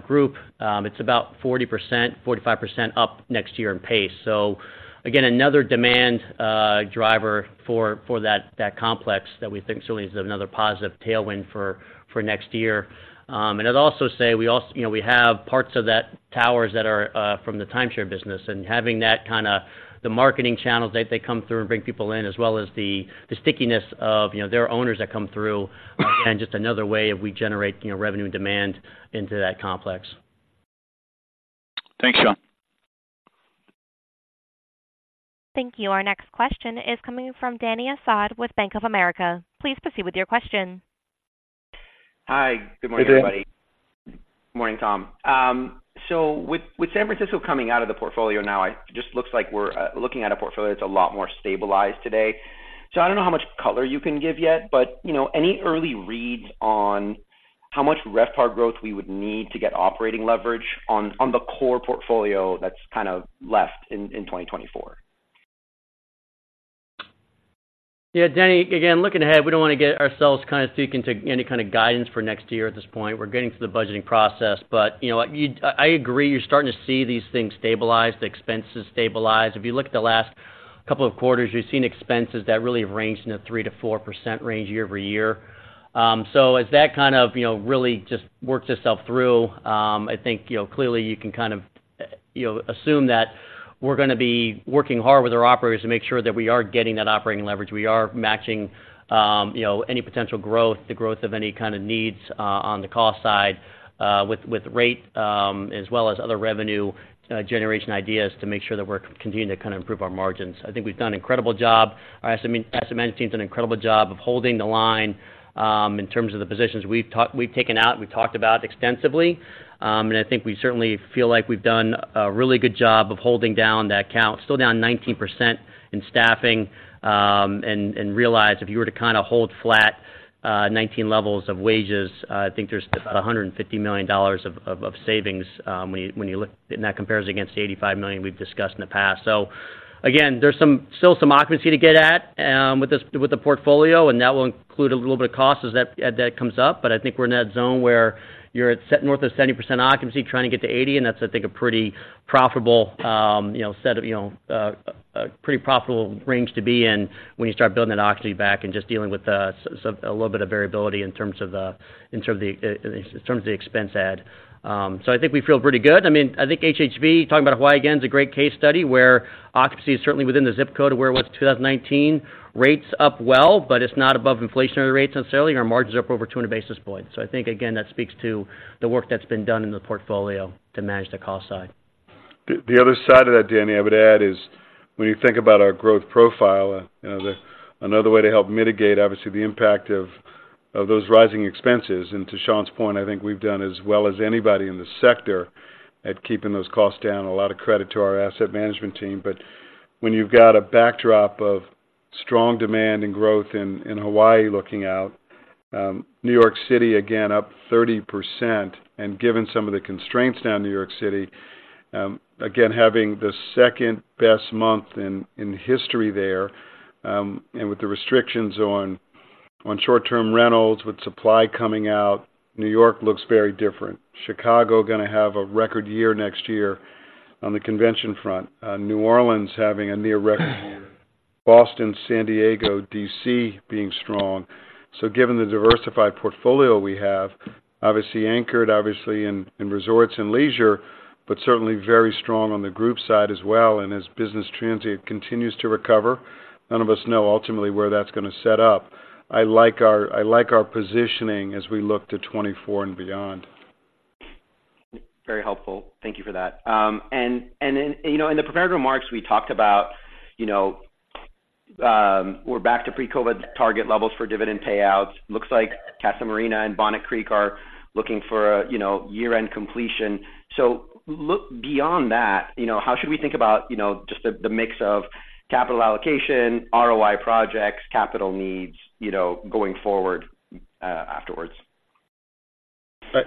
group. It's about 40%, 45% up next year in pace. So again, another demand driver for, for that, that complex that we think certainly is another positive tailwind for, for next year. And I'd also say, we also, you know, we have parts of that towers that are from the timeshare business, and having that kind of the marketing channels that they come through and bring people in, as well as the, the stickiness of, you know, there are owners that come through, again, just another way we generate, you know, revenue and demand into that complex. Thanks, Sean. Thank you. Our next question is coming from Dany Asad with Bank of America. Please proceed with your question. Hi, good morning, everybody. Hey, Dan. Morning, Tom. So with San Francisco coming out of the portfolio now, it just looks like we're looking at a portfolio that's a lot more stabilized today. So I don't know how much color you can give yet, but you know, any early reads on how much RevPAR growth we would need to get operating leverage on the core portfolio that's kind of left in 2024? Yeah, Dany, again, looking ahead, we don't want to get ourselves kind of speaking to any kind of guidance for next year at this point. We're getting to the budgeting process, but, you know, I agree, you're starting to see these things stabilize, the expenses stabilize. If you look at the last couple of quarters, you've seen expenses that really have ranged in the 3%-4% range year-over-year. So as that kind of, you know, really just works itself through, I think, you know, clearly you can kind of, you know, assume that we're gonna be working hard with our operators to make sure that we are getting that operating leverage. We are matching, you know, any potential growth, the growth of any kind of needs, on the cost side, with, with rate, as well as other revenue, generation ideas to make sure that we're continuing to kind of improve our margins. I think we've done an incredible job. Our S&M team's done an incredible job of holding the line, in terms of the positions we've talked about extensively. And I think we certainly feel like we've done a really good job of holding down that count. Still down 19% in staffing, and realize if you were to kind of hold flat, 19 levels of wages, I think there's about $150 million of savings, when you look, and that compares against the $85 million we've discussed in the past. So again, there's still some occupancy to get at, with the portfolio, and that will include a little bit of cost as that comes up. But I think we're in that zone where you're at set north of 70% occupancy, trying to get to 80%, and that's, I think, a pretty profitable, you know, set of, you know, a pretty profitable range to be in when you start building that occupancy back and just dealing with, so a little bit of variability in terms of the expense add. So I think we feel pretty good. I mean, I think HHV, talking about Hawaii again, is a great case study where occupancy is certainly within the ZIP code of where it was in 2019. Rates up well, but it's not above inflationary rates necessarily, and our margins are up over 200 basis points. I think, again, that speaks to the work that's been done in the portfolio to manage the cost side. The other side of that, Dany, I would add, is when you think about our growth profile, you know, another way to help mitigate, obviously, the impact of those rising expenses, and to Sean's point, I think we've done as well as anybody in the sector at keeping those costs down. A lot of credit to our asset management team. But when you've got a backdrop of strong demand and growth in Hawaii looking out, New York City, again, up 30%, and given some of the constraints down in New York City, again, having the second-best month in history there, and with the restrictions on short-term rentals, with supply coming out, New York looks very different. Chicago gonna have a record year next year on the convention front. New Orleans having a near record year. Boston, San Diego, D.C. being strong. So given the diversified portfolio we have, obviously anchored, obviously in resorts and leisure, but certainly very strong on the group side as well. And as business transit continues to recover, none of us know ultimately where that's gonna set up. I like our positioning as we look to 2024 and beyond. Very helpful. Thank you for that. And in, you know, in the prepared remarks, we talked about, you know, we're back to pre-COVID target levels for dividend payouts. Looks like Casa Marina and Bonnet Creek are looking for a, you know, year-end completion. So look beyond that, you know, how should we think about, you know, just the mix of capital allocation, ROI projects, capital needs, you know, going forward, afterwards?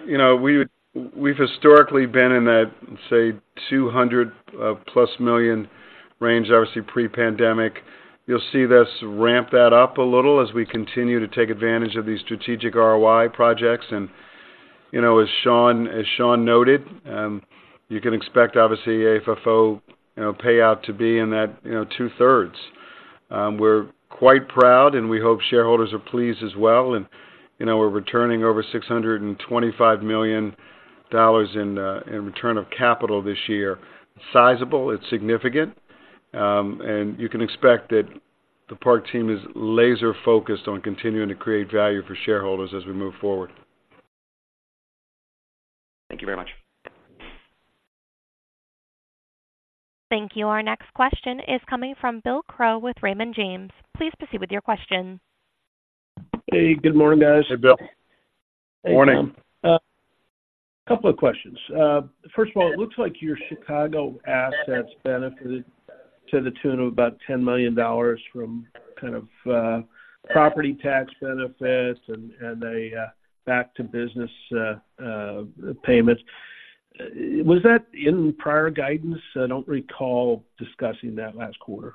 You know, we've historically been in that, say, 200+ million range, obviously pre-pandemic. You'll see us ramp that up a little as we continue to take advantage of these strategic ROI projects. And, you know, as Sean noted, you can expect, obviously, AFFO payout to be in that, you know, two-thirds. We're quite proud, and we hope shareholders are pleased as well. And, you know, we're returning over $625 million in return of capital this year. Sizeable, it's significant, and you can expect that the Park team is laser-focused on continuing to create value for shareholders as we move forward. Thank you very much. Thank you. Our next question is coming from Bill Crow with Raymond James. Please proceed with your question. Hey, good morning, guys. Hey, Bill. Good morning. A couple of questions. First of all, it looks like your Chicago assets benefited to the tune of about $10 million from kind of property tax benefits and a Back to Business payments. Was that in prior guidance? I don't recall discussing that last quarter.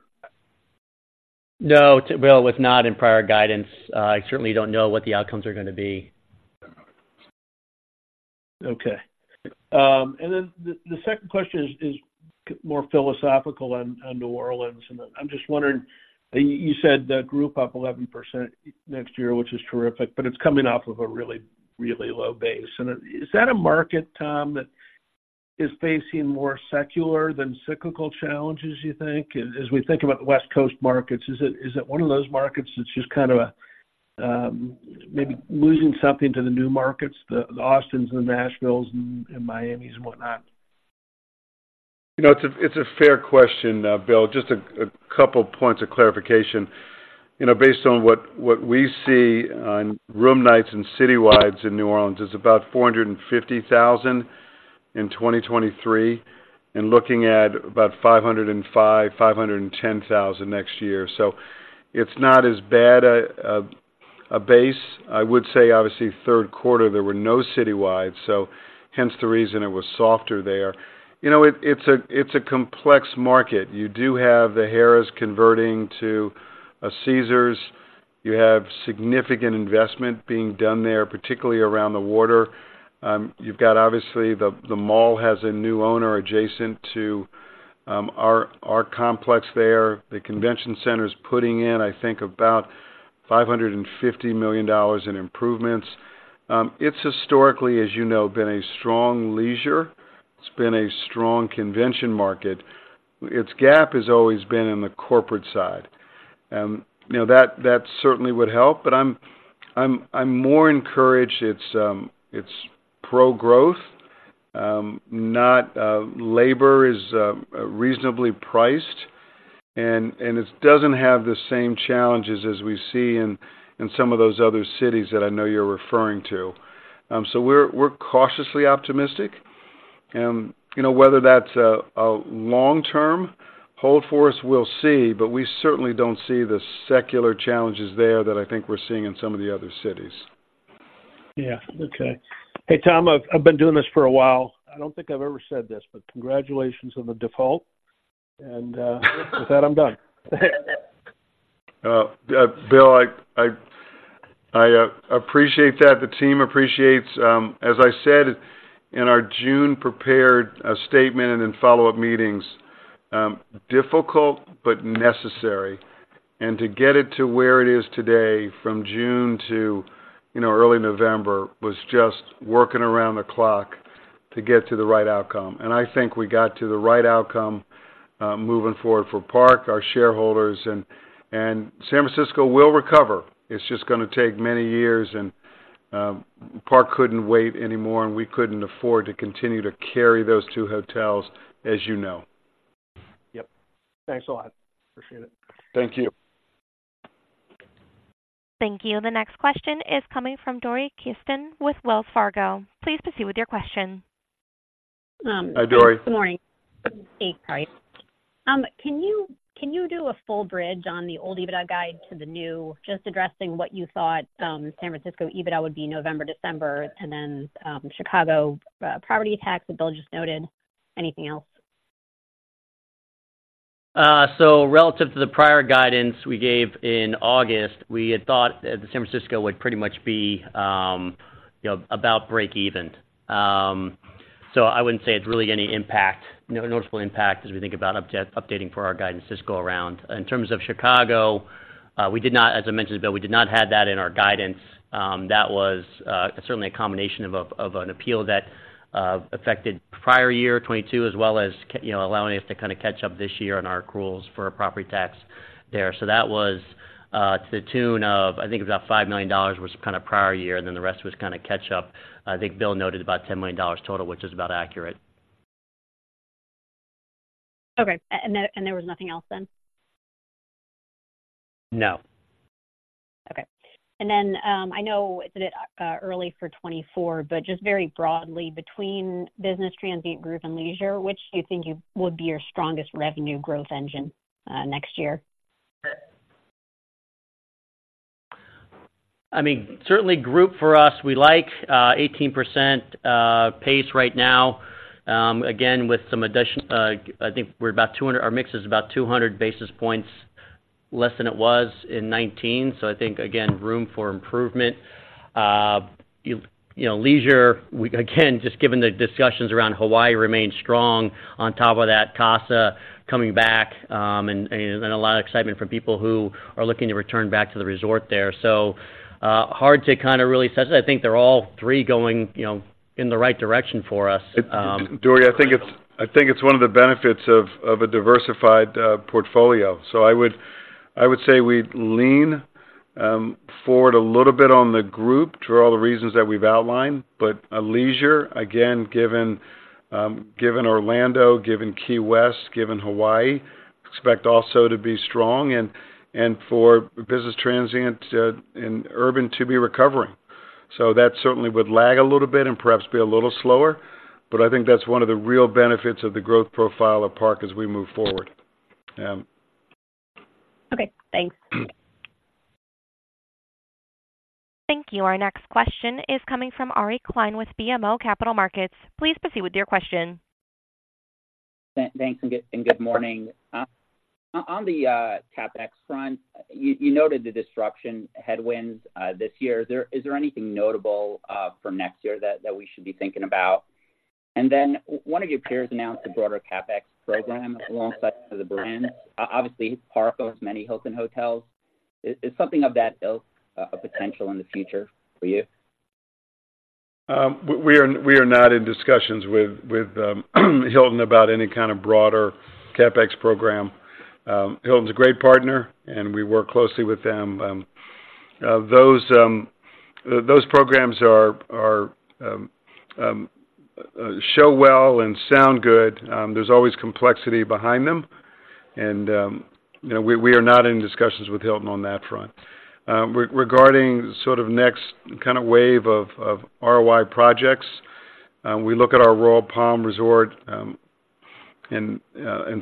No, Bill, it was not in prior guidance. I certainly don't know what the outcomes are gonna be. Okay. And then the second question is more philosophical on New Orleans. And I'm just wondering, you said the group up 11% next year, which is terrific, but it's coming off of a really, really low base. And is that a market, Tom, that is facing more secular than cyclical challenges, you think? As we think about the West Coast markets, is it one of those markets that's just kind of a maybe losing something to the new markets, the Austins and the Nashvilles and Miamis and whatnot? You know, it's a fair question, Bill. Just a couple points of clarification. You know, based on what we see on room nights and citywide in New Orleans is about 450,000 in 2023, and looking at about 505,000-510,000 next year. So it's not as bad a base. I would say, obviously, third quarter, there were no citywide, so hence the reason it was softer there. You know, it's a complex market. You do have the Harrah's converting to a Caesars. You have significant investment being done there, particularly around the water. You've got obviously, the mall has a new owner adjacent to our complex there. The convention center is putting in, I think, about $550 million in improvements. It's historically, as you know, been a strong leisure. It's been a strong convention market. Its gap has always been in the corporate side. You know, that certainly would help, but I'm more encouraged it's pro-growth, not labor is reasonably priced, and it doesn't have the same challenges as we see in some of those other cities that I know you're referring to. So we're cautiously optimistic. You know, whether that's a long-term hold for us, we'll see, but we certainly don't see the secular challenges there that I think we're seeing in some of the other cities.... Yeah. Okay. Hey, Tom, I've been doing this for a while. I don't think I've ever said this, but congratulations on the default, and with that, I'm done. Bill, I appreciate that. The team appreciates. As I said in our June prepared statement and then follow-up meetings, difficult but necessary. And to get it to where it is today from June to, you know, early November, was just working around the clock to get to the right outcome. And I think we got to the right outcome, moving forward for Park, our shareholders, and San Francisco will recover. It's just gonna take many years, and Park couldn't wait anymore, and we couldn't afford to continue to carry those two hotels, as you know. Yep. Thanks a lot. Appreciate it. Thank you. Thank you. The next question is coming from Dori Kesten with Wells Fargo. Please proceed with your question. Hi, Dori. Good morning. Hey, guys. Can you, can you do a full bridge on the old EBITDA guide to the new, just addressing what you thought, San Francisco EBITDA would be November, December, and then, Chicago, property tax that Bill just noted? Anything else? So relative to the prior guidance we gave in August, we had thought that the San Francisco would pretty much be, you know, about break even. So I wouldn't say it's really any impact, noticeable impact as we think about updating for our guidance this go around. In terms of Chicago, as I mentioned, Bill, we did not have that in our guidance. That was certainly a combination of an appeal that affected prior year, 2022, as well as, you know, allowing us to kinda catch up this year on our accruals for property tax there. So that was to the tune of, I think, about $5 million, was kind of prior year, and then the rest was kinda catch up. I think Bill noted about $10 million total, which is about accurate. Okay. And there was nothing else then? No. Okay. And then, I know it's a bit early for 2024, but just very broadly, between business transient, group, and leisure, which do you think you would be your strongest revenue growth engine next year? I mean, certainly group for us. We like 18% pace right now. Again, with some addition, I think we're about 200. Our mix is about 200 basis points less than it was in 2019, so I think, again, room for improvement. You know, leisure, we, again, just given the discussions around Hawaii, remains strong. On top of that, Tapa coming back, and a lot of excitement from people who are looking to return back to the resort there. So, hard to kinda really assess it. I think they're all three going, you know, in the right direction for us. Dori, I think it's one of the benefits of a diversified portfolio. So I would say we'd lean forward a little bit on the group for all the reasons that we've outlined, but leisure, again, given Orlando, given Key West, given Hawaii, expect also to be strong and for business transient and urban to be recovering. So that certainly would lag a little bit and perhaps be a little slower, but I think that's one of the real benefits of the growth profile of Park as we move forward. Okay, thanks. Thank you. Our next question is coming from Ari Klein with BMO Capital Markets. Please proceed with your question. Thanks, and good morning. On the CapEx front, you noted the disruption headwinds this year. Is there anything notable for next year that we should be thinking about? And then one of your peers announced a broader CapEx program alongside the brand. Obviously, Park owns many Hilton hotels. Is something of that ilk a potential in the future for you? We are not in discussions with Hilton about any kind of broader CapEx program. Hilton's a great partner, and we work closely with them. Those programs show well and sound good. There's always complexity behind them, and, you know, we are not in discussions with Hilton on that front. Regarding sort of next kinda wave of ROI projects, we look at our Royal Palm Resort in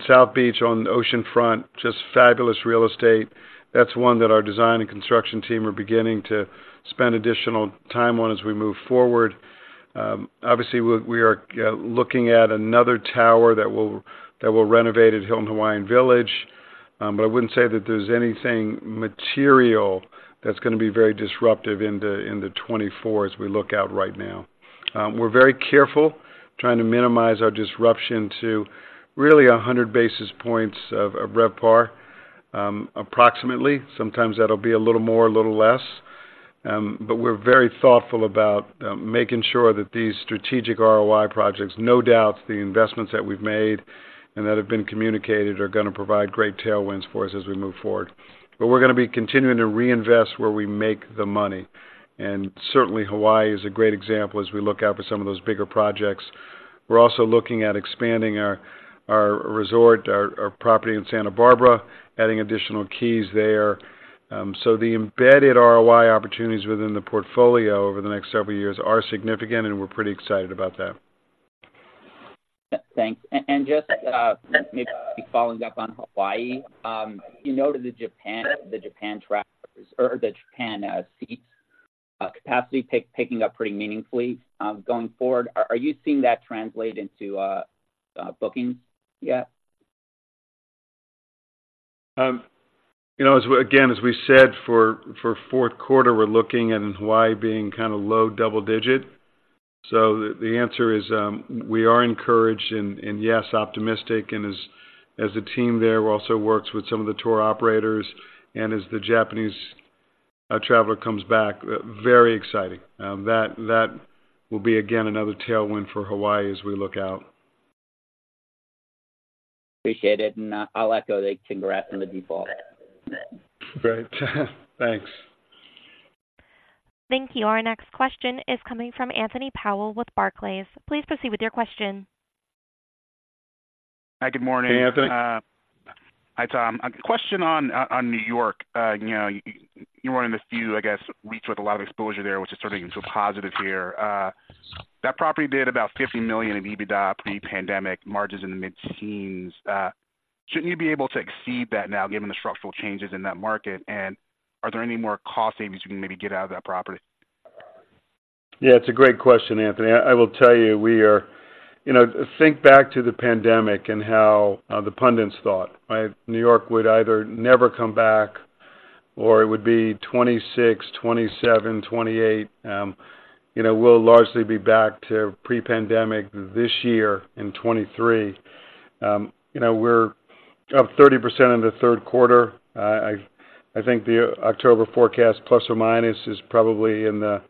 South Beach on oceanfront, just fabulous real estate. That's one that our design and construction team are beginning to spend additional time on as we move forward. Obviously, we are looking at another tower that we'll renovate at Hilton Hawaiian Village, but I wouldn't say that there's anything material that's gonna be very disruptive in the 2024 as we look out right now. We're very careful trying to minimize our disruption to really 100 basis points of RevPAR, approximately. Sometimes that'll be a little more, a little less. But we're very thoughtful about making sure that these strategic ROI projects, no doubt, the investments that we've made and that have been communicated, are gonna provide great tailwinds for us as we move forward. But we're gonna be continuing to reinvest where we make the money, and certainly Hawaii is a great example as we look out for some of those bigger projects. We're also looking at expanding our resort, our property in Santa Barbara, adding additional keys there. So the embedded ROI opportunities within the portfolio over the next several years are significant, and we're pretty excited about that.... Thanks. Just maybe following up on Hawaii, you noted the Japan trackers or the Japan seats capacity picking up pretty meaningfully going forward. Are you seeing that translate into bookings yet? You know, as we said again, for fourth quarter, we're looking at Hawaii being kind of low double digit. So the answer is, we are encouraged and yes, optimistic. And as a team there, we also works with some of the tour operators and as the Japanese traveler comes back, very exciting. That will be, again, another tailwind for Hawaii as we look out. Appreciate it, and I'll echo the congrats on the default. Great. Thanks. Thank you. Our next question is coming from Anthony Powell with Barclays. Please proceed with your question. Hi, good morning. Hey, Anthony. Hi, Tom. A question on New York. You know, you were in the few, I guess, weeks with a lot of exposure there, which is turning into a positive here. That property did about $50 million in EBITDA pre-pandemic margins in the mid-teens%. Shouldn't you be able to exceed that now, given the structural changes in that market? And are there any more cost savings you can maybe get out of that property? Yeah, it's a great question, Anthony. I will tell you, we are... You know, think back to the pandemic and how, the pundits thought, right? New York would either never come back or it would be 26, 27, 28. You know, we'll largely be back to pre-pandemic this year in 2023. You know, we're up 30% in the third quarter. I think the October forecast, plus or minus, is probably in the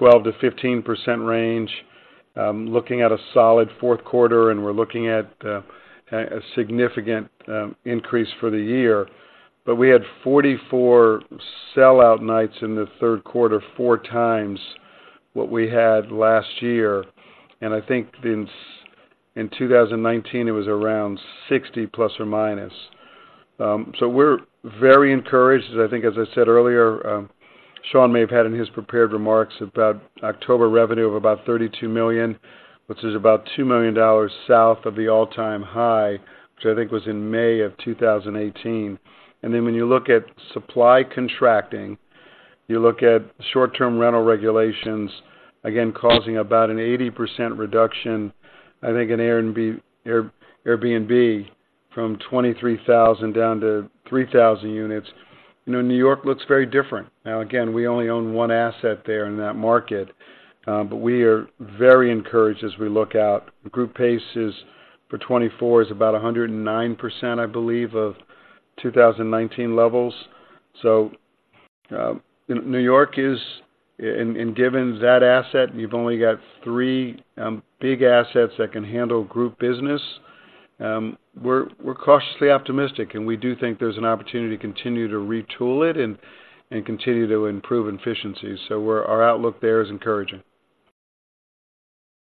12%-15% range. Looking at a solid fourth quarter, and we're looking at a significant increase for the year. But we had 44 sellout nights in the third quarter, 4x what we had last year. And I think in 2019, it was around 60, plus or minus. So we're very encouraged. I think, as I said earlier, Sean may have had in his prepared remarks about October revenue of about $32 million, which is about $2 million south of the all-time high, which I think was in May of 2018. And then when you look at supply contracting, you look at short-term rental regulations, again, causing about an 80% reduction, I think in Airbnb from 23,000 down to 3,000 units. You know, New York looks very different. Now, again, we only own one asset there in that market, but we are very encouraged as we look out. Group pace is, for 2024, is about 109%, I believe, of 2019 levels. So, New York is, and, and given that asset, you've only got three big assets that can handle group business. We're cautiously optimistic, and we do think there's an opportunity to continue to retool it and continue to improve efficiencies. So our outlook there is encouraging.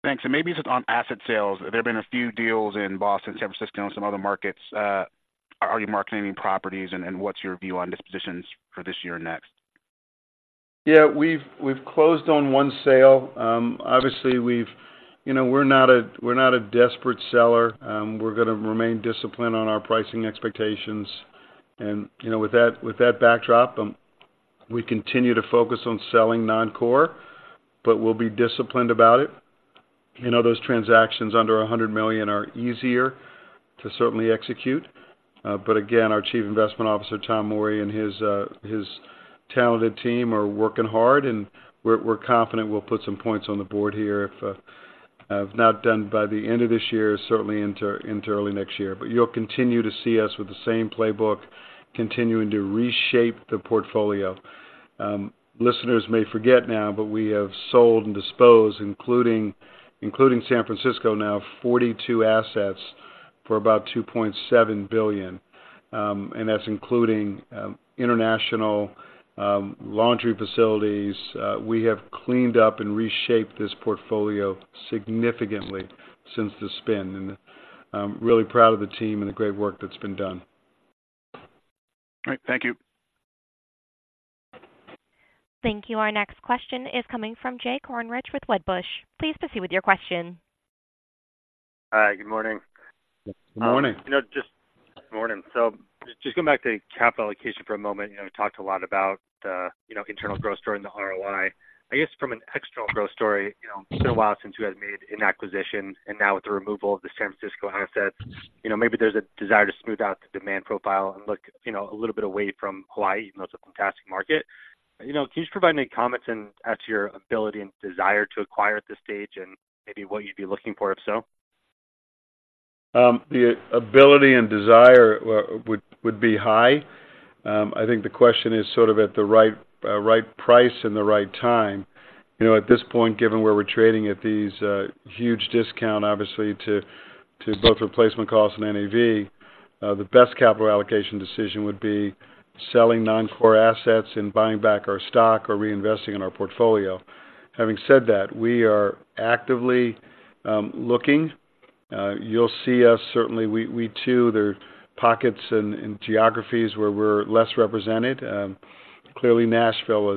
Thanks. Maybe just on asset sales, there have been a few deals in Boston, San Francisco, and some other markets. Are you marketing any properties, and what's your view on dispositions for this year and next? Yeah, we've closed on one sale. Obviously, we've—you know, we're not a desperate seller. We're going to remain disciplined on our pricing expectations. And, you know, with that backdrop, we continue to focus on selling non-core, but we'll be disciplined about it. You know, those transactions under $100 million are easier to certainly execute. But again, our Chief Investment Officer, Tom Morey, and his talented team are working hard, and we're confident we'll put some points on the board here, if not done by the end of this year, certainly into early next year. But you'll continue to see us with the same playbook, continuing to reshape the portfolio. Listeners may forget now, but we have sold and disposed, including, including San Francisco, now 42 assets for about $2.7 billion. That's including international laundry facilities. We have cleaned up and reshaped this portfolio significantly since the spin, and really proud of the team and the great work that's been done. All right. Thank you. Thank you. Our next question is coming from Jay Kornreich with Wedbush. Please proceed with your question. Hi, good morning. Good morning. Morning. So just going back to capital allocation for a moment. You know, we talked a lot about, you know, internal growth story and the ROI. I guess, from an external growth story, you know, it's been a while since you guys made an acquisition, and now with the removal of the San Francisco assets, you know, maybe there's a desire to smooth out the demand profile and look, you know, a little bit away from Hawaii, even though it's a fantastic market. You know, can you just provide any comments as to your ability and desire to acquire at this stage and maybe what you'd be looking for, if so? The ability and desire would be high. I think the question is sort of at the right right price and the right time. You know, at this point, given where we're trading at these huge discount, obviously, to both replacement costs and NAV, the best capital allocation decision would be selling non-core assets and buying back our stock or reinvesting in our portfolio. Having said that, we are actively looking. You'll see us, certainly, there are pockets and geographies where we're less represented. Clearly, Nashville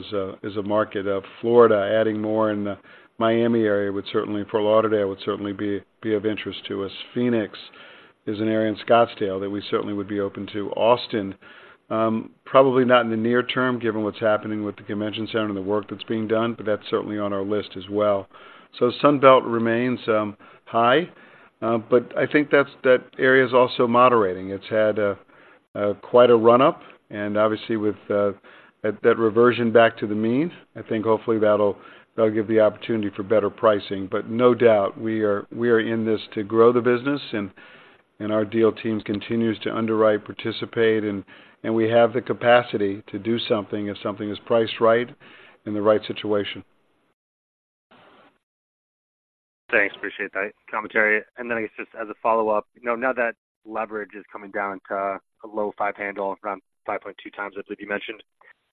is a market of Florida, adding more in the Miami area would certainly, Fort Lauderdale, would certainly be of interest to us. Phoenix is an area in Scottsdale that we certainly would be open to. Austin, probably not in the near term, given what's happening with the convention center and the work that's being done, but that's certainly on our list as well. So Sun Belt remains high, but I think that area is also moderating. It's had quite a run-up and obviously with that reversion back to the means, I think hopefully that'll give the opportunity for better pricing. But no doubt, we are in this to grow the business, and our deal team continues to underwrite, participate, and we have the capacity to do something if something is priced right in the right situation. Thanks. Appreciate that commentary. And then I guess, just as a follow-up, you know, now that leverage is coming down to a low five handle, around 5.2x, I believe you mentioned,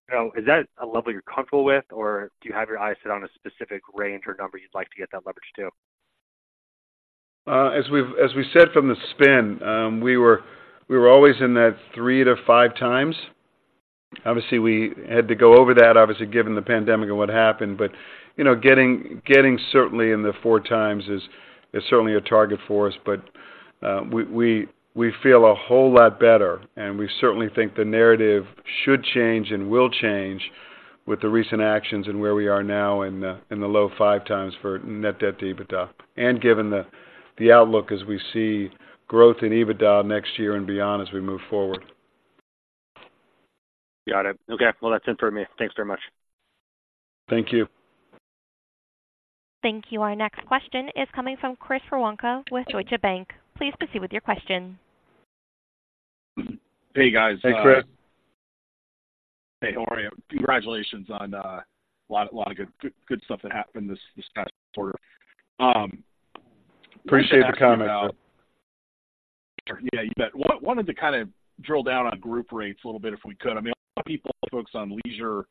you know, is that a level you're comfortable with, or do you have your eyes set on a specific range or number you'd like to get that leverage to? As we've said, from the spin, we were always in that 3-5x. Obviously, we had to go over that, obviously, given the pandemic and what happened. But, you know, getting certainly in the 4x is certainly a target for us, but we feel a whole lot better, and we certainly think the narrative should change and will change with the recent actions and where we are now in the low 5x for net debt to EBITDA, and given the outlook as we see growth in EBITDA next year and beyond as we move forward. Got it. Okay, well, that's it for me. Thanks very much. Thank you. Thank you. Our next question is coming from Chris Woronka with Deutsche Bank. Please proceed with your question. Hey, guys. Hey, Chris. Hey, how are you? Congratulations on a lot, a lot of good, good, good stuff that happened this, this past quarter. Appreciate the comment. Yeah, you bet. Wanted to kind of drill down on group rates a little bit, if we could. I mean, a lot of people focus on leisure, resort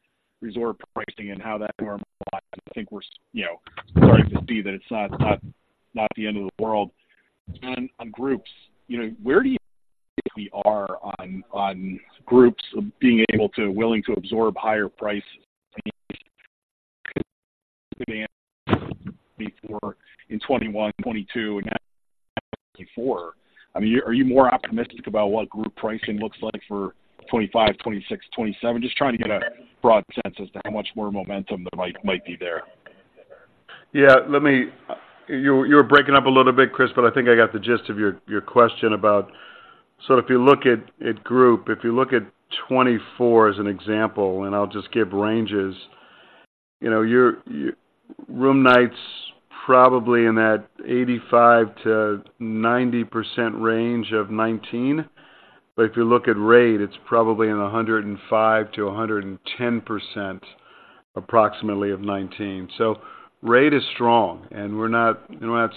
pricing and how that normally, I think we're, you know, starting to see that it's not the end of the world. On groups, you know, where do you think we are on, on groups being able to willing to absorb higher prices before in 2021, 2022 and 2024? I mean, are you more optimistic about what group pricing looks like for 2025, 2026, 2027? Just trying to get a broad sense as to how much more momentum there might be there. Yeah, you were breaking up a little bit, Chris, but I think I got the gist of your question about so if you look at group, if you look at 2024 as an example, and I'll just give ranges, you know, your room nights probably in that 85%-90% range of 2019. But if you look at rate, it's probably in a 105%-110%, approximately, of 2019. So rate is strong, and we're not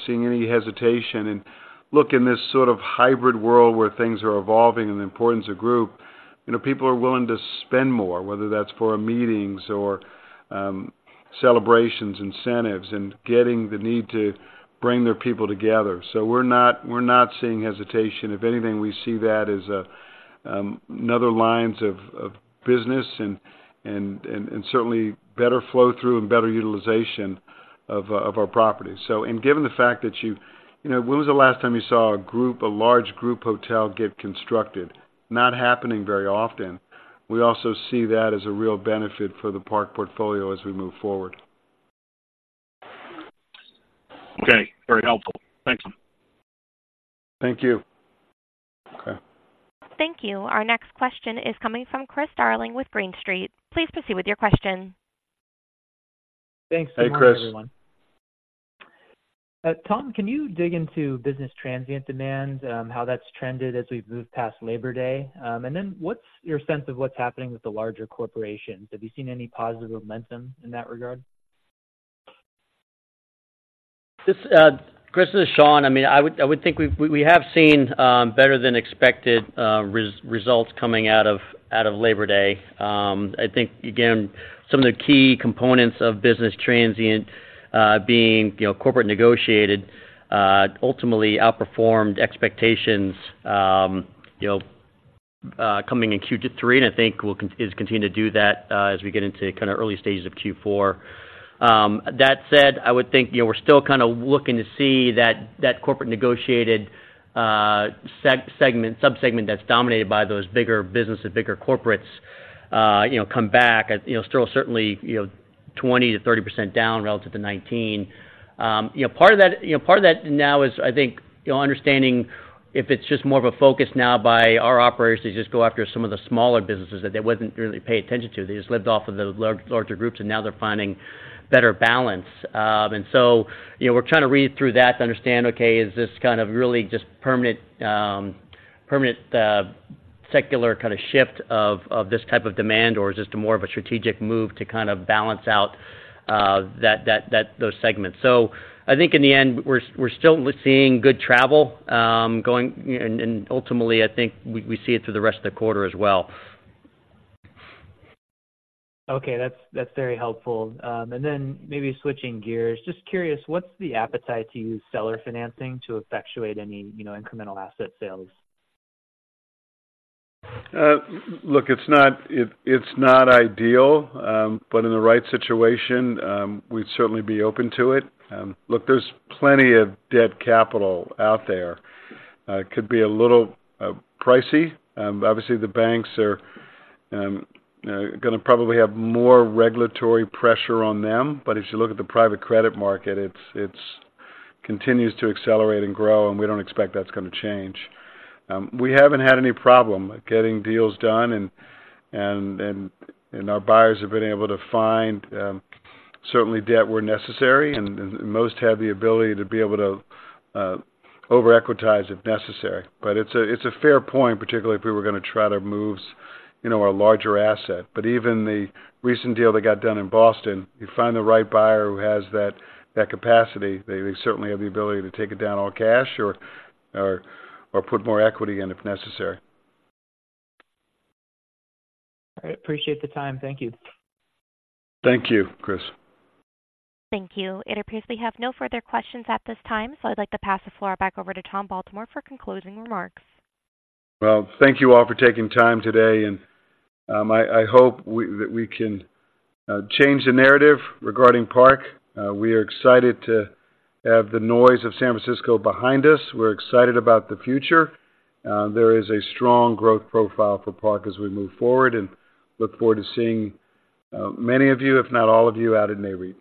seeing any hesitation. And look, in this sort of hybrid world where things are evolving and the importance of group, you know, people are willing to spend more, whether that's for meetings or celebrations, incentives, and getting the need to bring their people together. So we're not seeing hesitation. If anything, we see that as another line of business and certainly better flow through and better utilization of our properties. So, given the fact that you—you know, when was the last time you saw a group, a large group hotel get constructed? Not happening very often. We also see that as a real benefit for the Park portfolio as we move forward. Okay. Very helpful. Thanks. Thank you. Okay. Thank you. Our next question is coming from Chris Darling with Green Street. Please proceed with your question. Thanks so much, everyone. Hey, Chris. Tom, can you dig into business transient demand, how that's trended as we've moved past Labor Day? And then what's your sense of what's happening with the larger corporations? Have you seen any positive momentum in that regard? This, Chris, this is Sean. I mean, I would, I would think we've we have seen better than expected results coming out of, out of Labor Day. I think, again, some of the key components of business transient, being, you know, corporate negotiated, ultimately outperformed expectations, you know, coming in Q3, and I think we'll continue to do that, as we get into kind of early stages of Q4. That said, I would think, you know, we're still kind of looking to see that, that corporate negotiated segment, subsegment that's dominated by those bigger businesses, bigger corporates, you know, come back. You know, still certainly, you know, 20%-30% down relative to 2019. You know, part of that, you know, part of that now is, I think, you know, understanding if it's just more of a focus now by our operators to just go after some of the smaller businesses that they wasn't really paying attention to. They just lived off of the larger groups, and now they're finding better balance. And so, you know, we're trying to read through that to understand, okay, is this kind of really just permanent secular kind of shift of this type of demand, or is this more of a strategic move to kind of balance out those segments? So I think in the end, we're still seeing good travel going, and ultimately, I think we see it through the rest of the quarter as well. Okay, that's, that's very helpful. And then maybe switching gears, just curious, what's the appetite to use seller financing to effectuate any, you know, incremental asset sales? Look, it's not ideal, but in the right situation, we'd certainly be open to it. Look, there's plenty of debt capital out there. It could be a little pricey. Obviously, the banks are gonna probably have more regulatory pressure on them, but if you look at the private credit market, it continues to accelerate and grow, and we don't expect that's gonna change. We haven't had any problem getting deals done, and our buyers have been able to find certainly debt where necessary, and most have the ability to be able to over-equitize if necessary. But it's a fair point, particularly if we were gonna try to move, you know, a larger asset. But even the recent deal that got done in Boston, you find the right buyer who has that capacity, they certainly have the ability to take it down all cash or put more equity in if necessary. I appreciate the time. Thank you. Thank you, Chris. Thank you. It appears we have no further questions at this time, so I'd like to pass the floor back over to Tom Baltimore for concluding remarks. Well, thank you all for taking time today, and I hope that we can change the narrative regarding Park. We are excited to have the noise of San Francisco behind us. We're excited about the future. There is a strong growth profile for Park as we move forward, and look forward to seeing many of you, if not all of you, out in Nareit.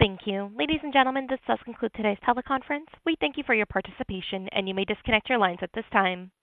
Thank you. Ladies and gentlemen, this does conclude today's teleconference. We thank you for your participation, and you may disconnect your lines at this time.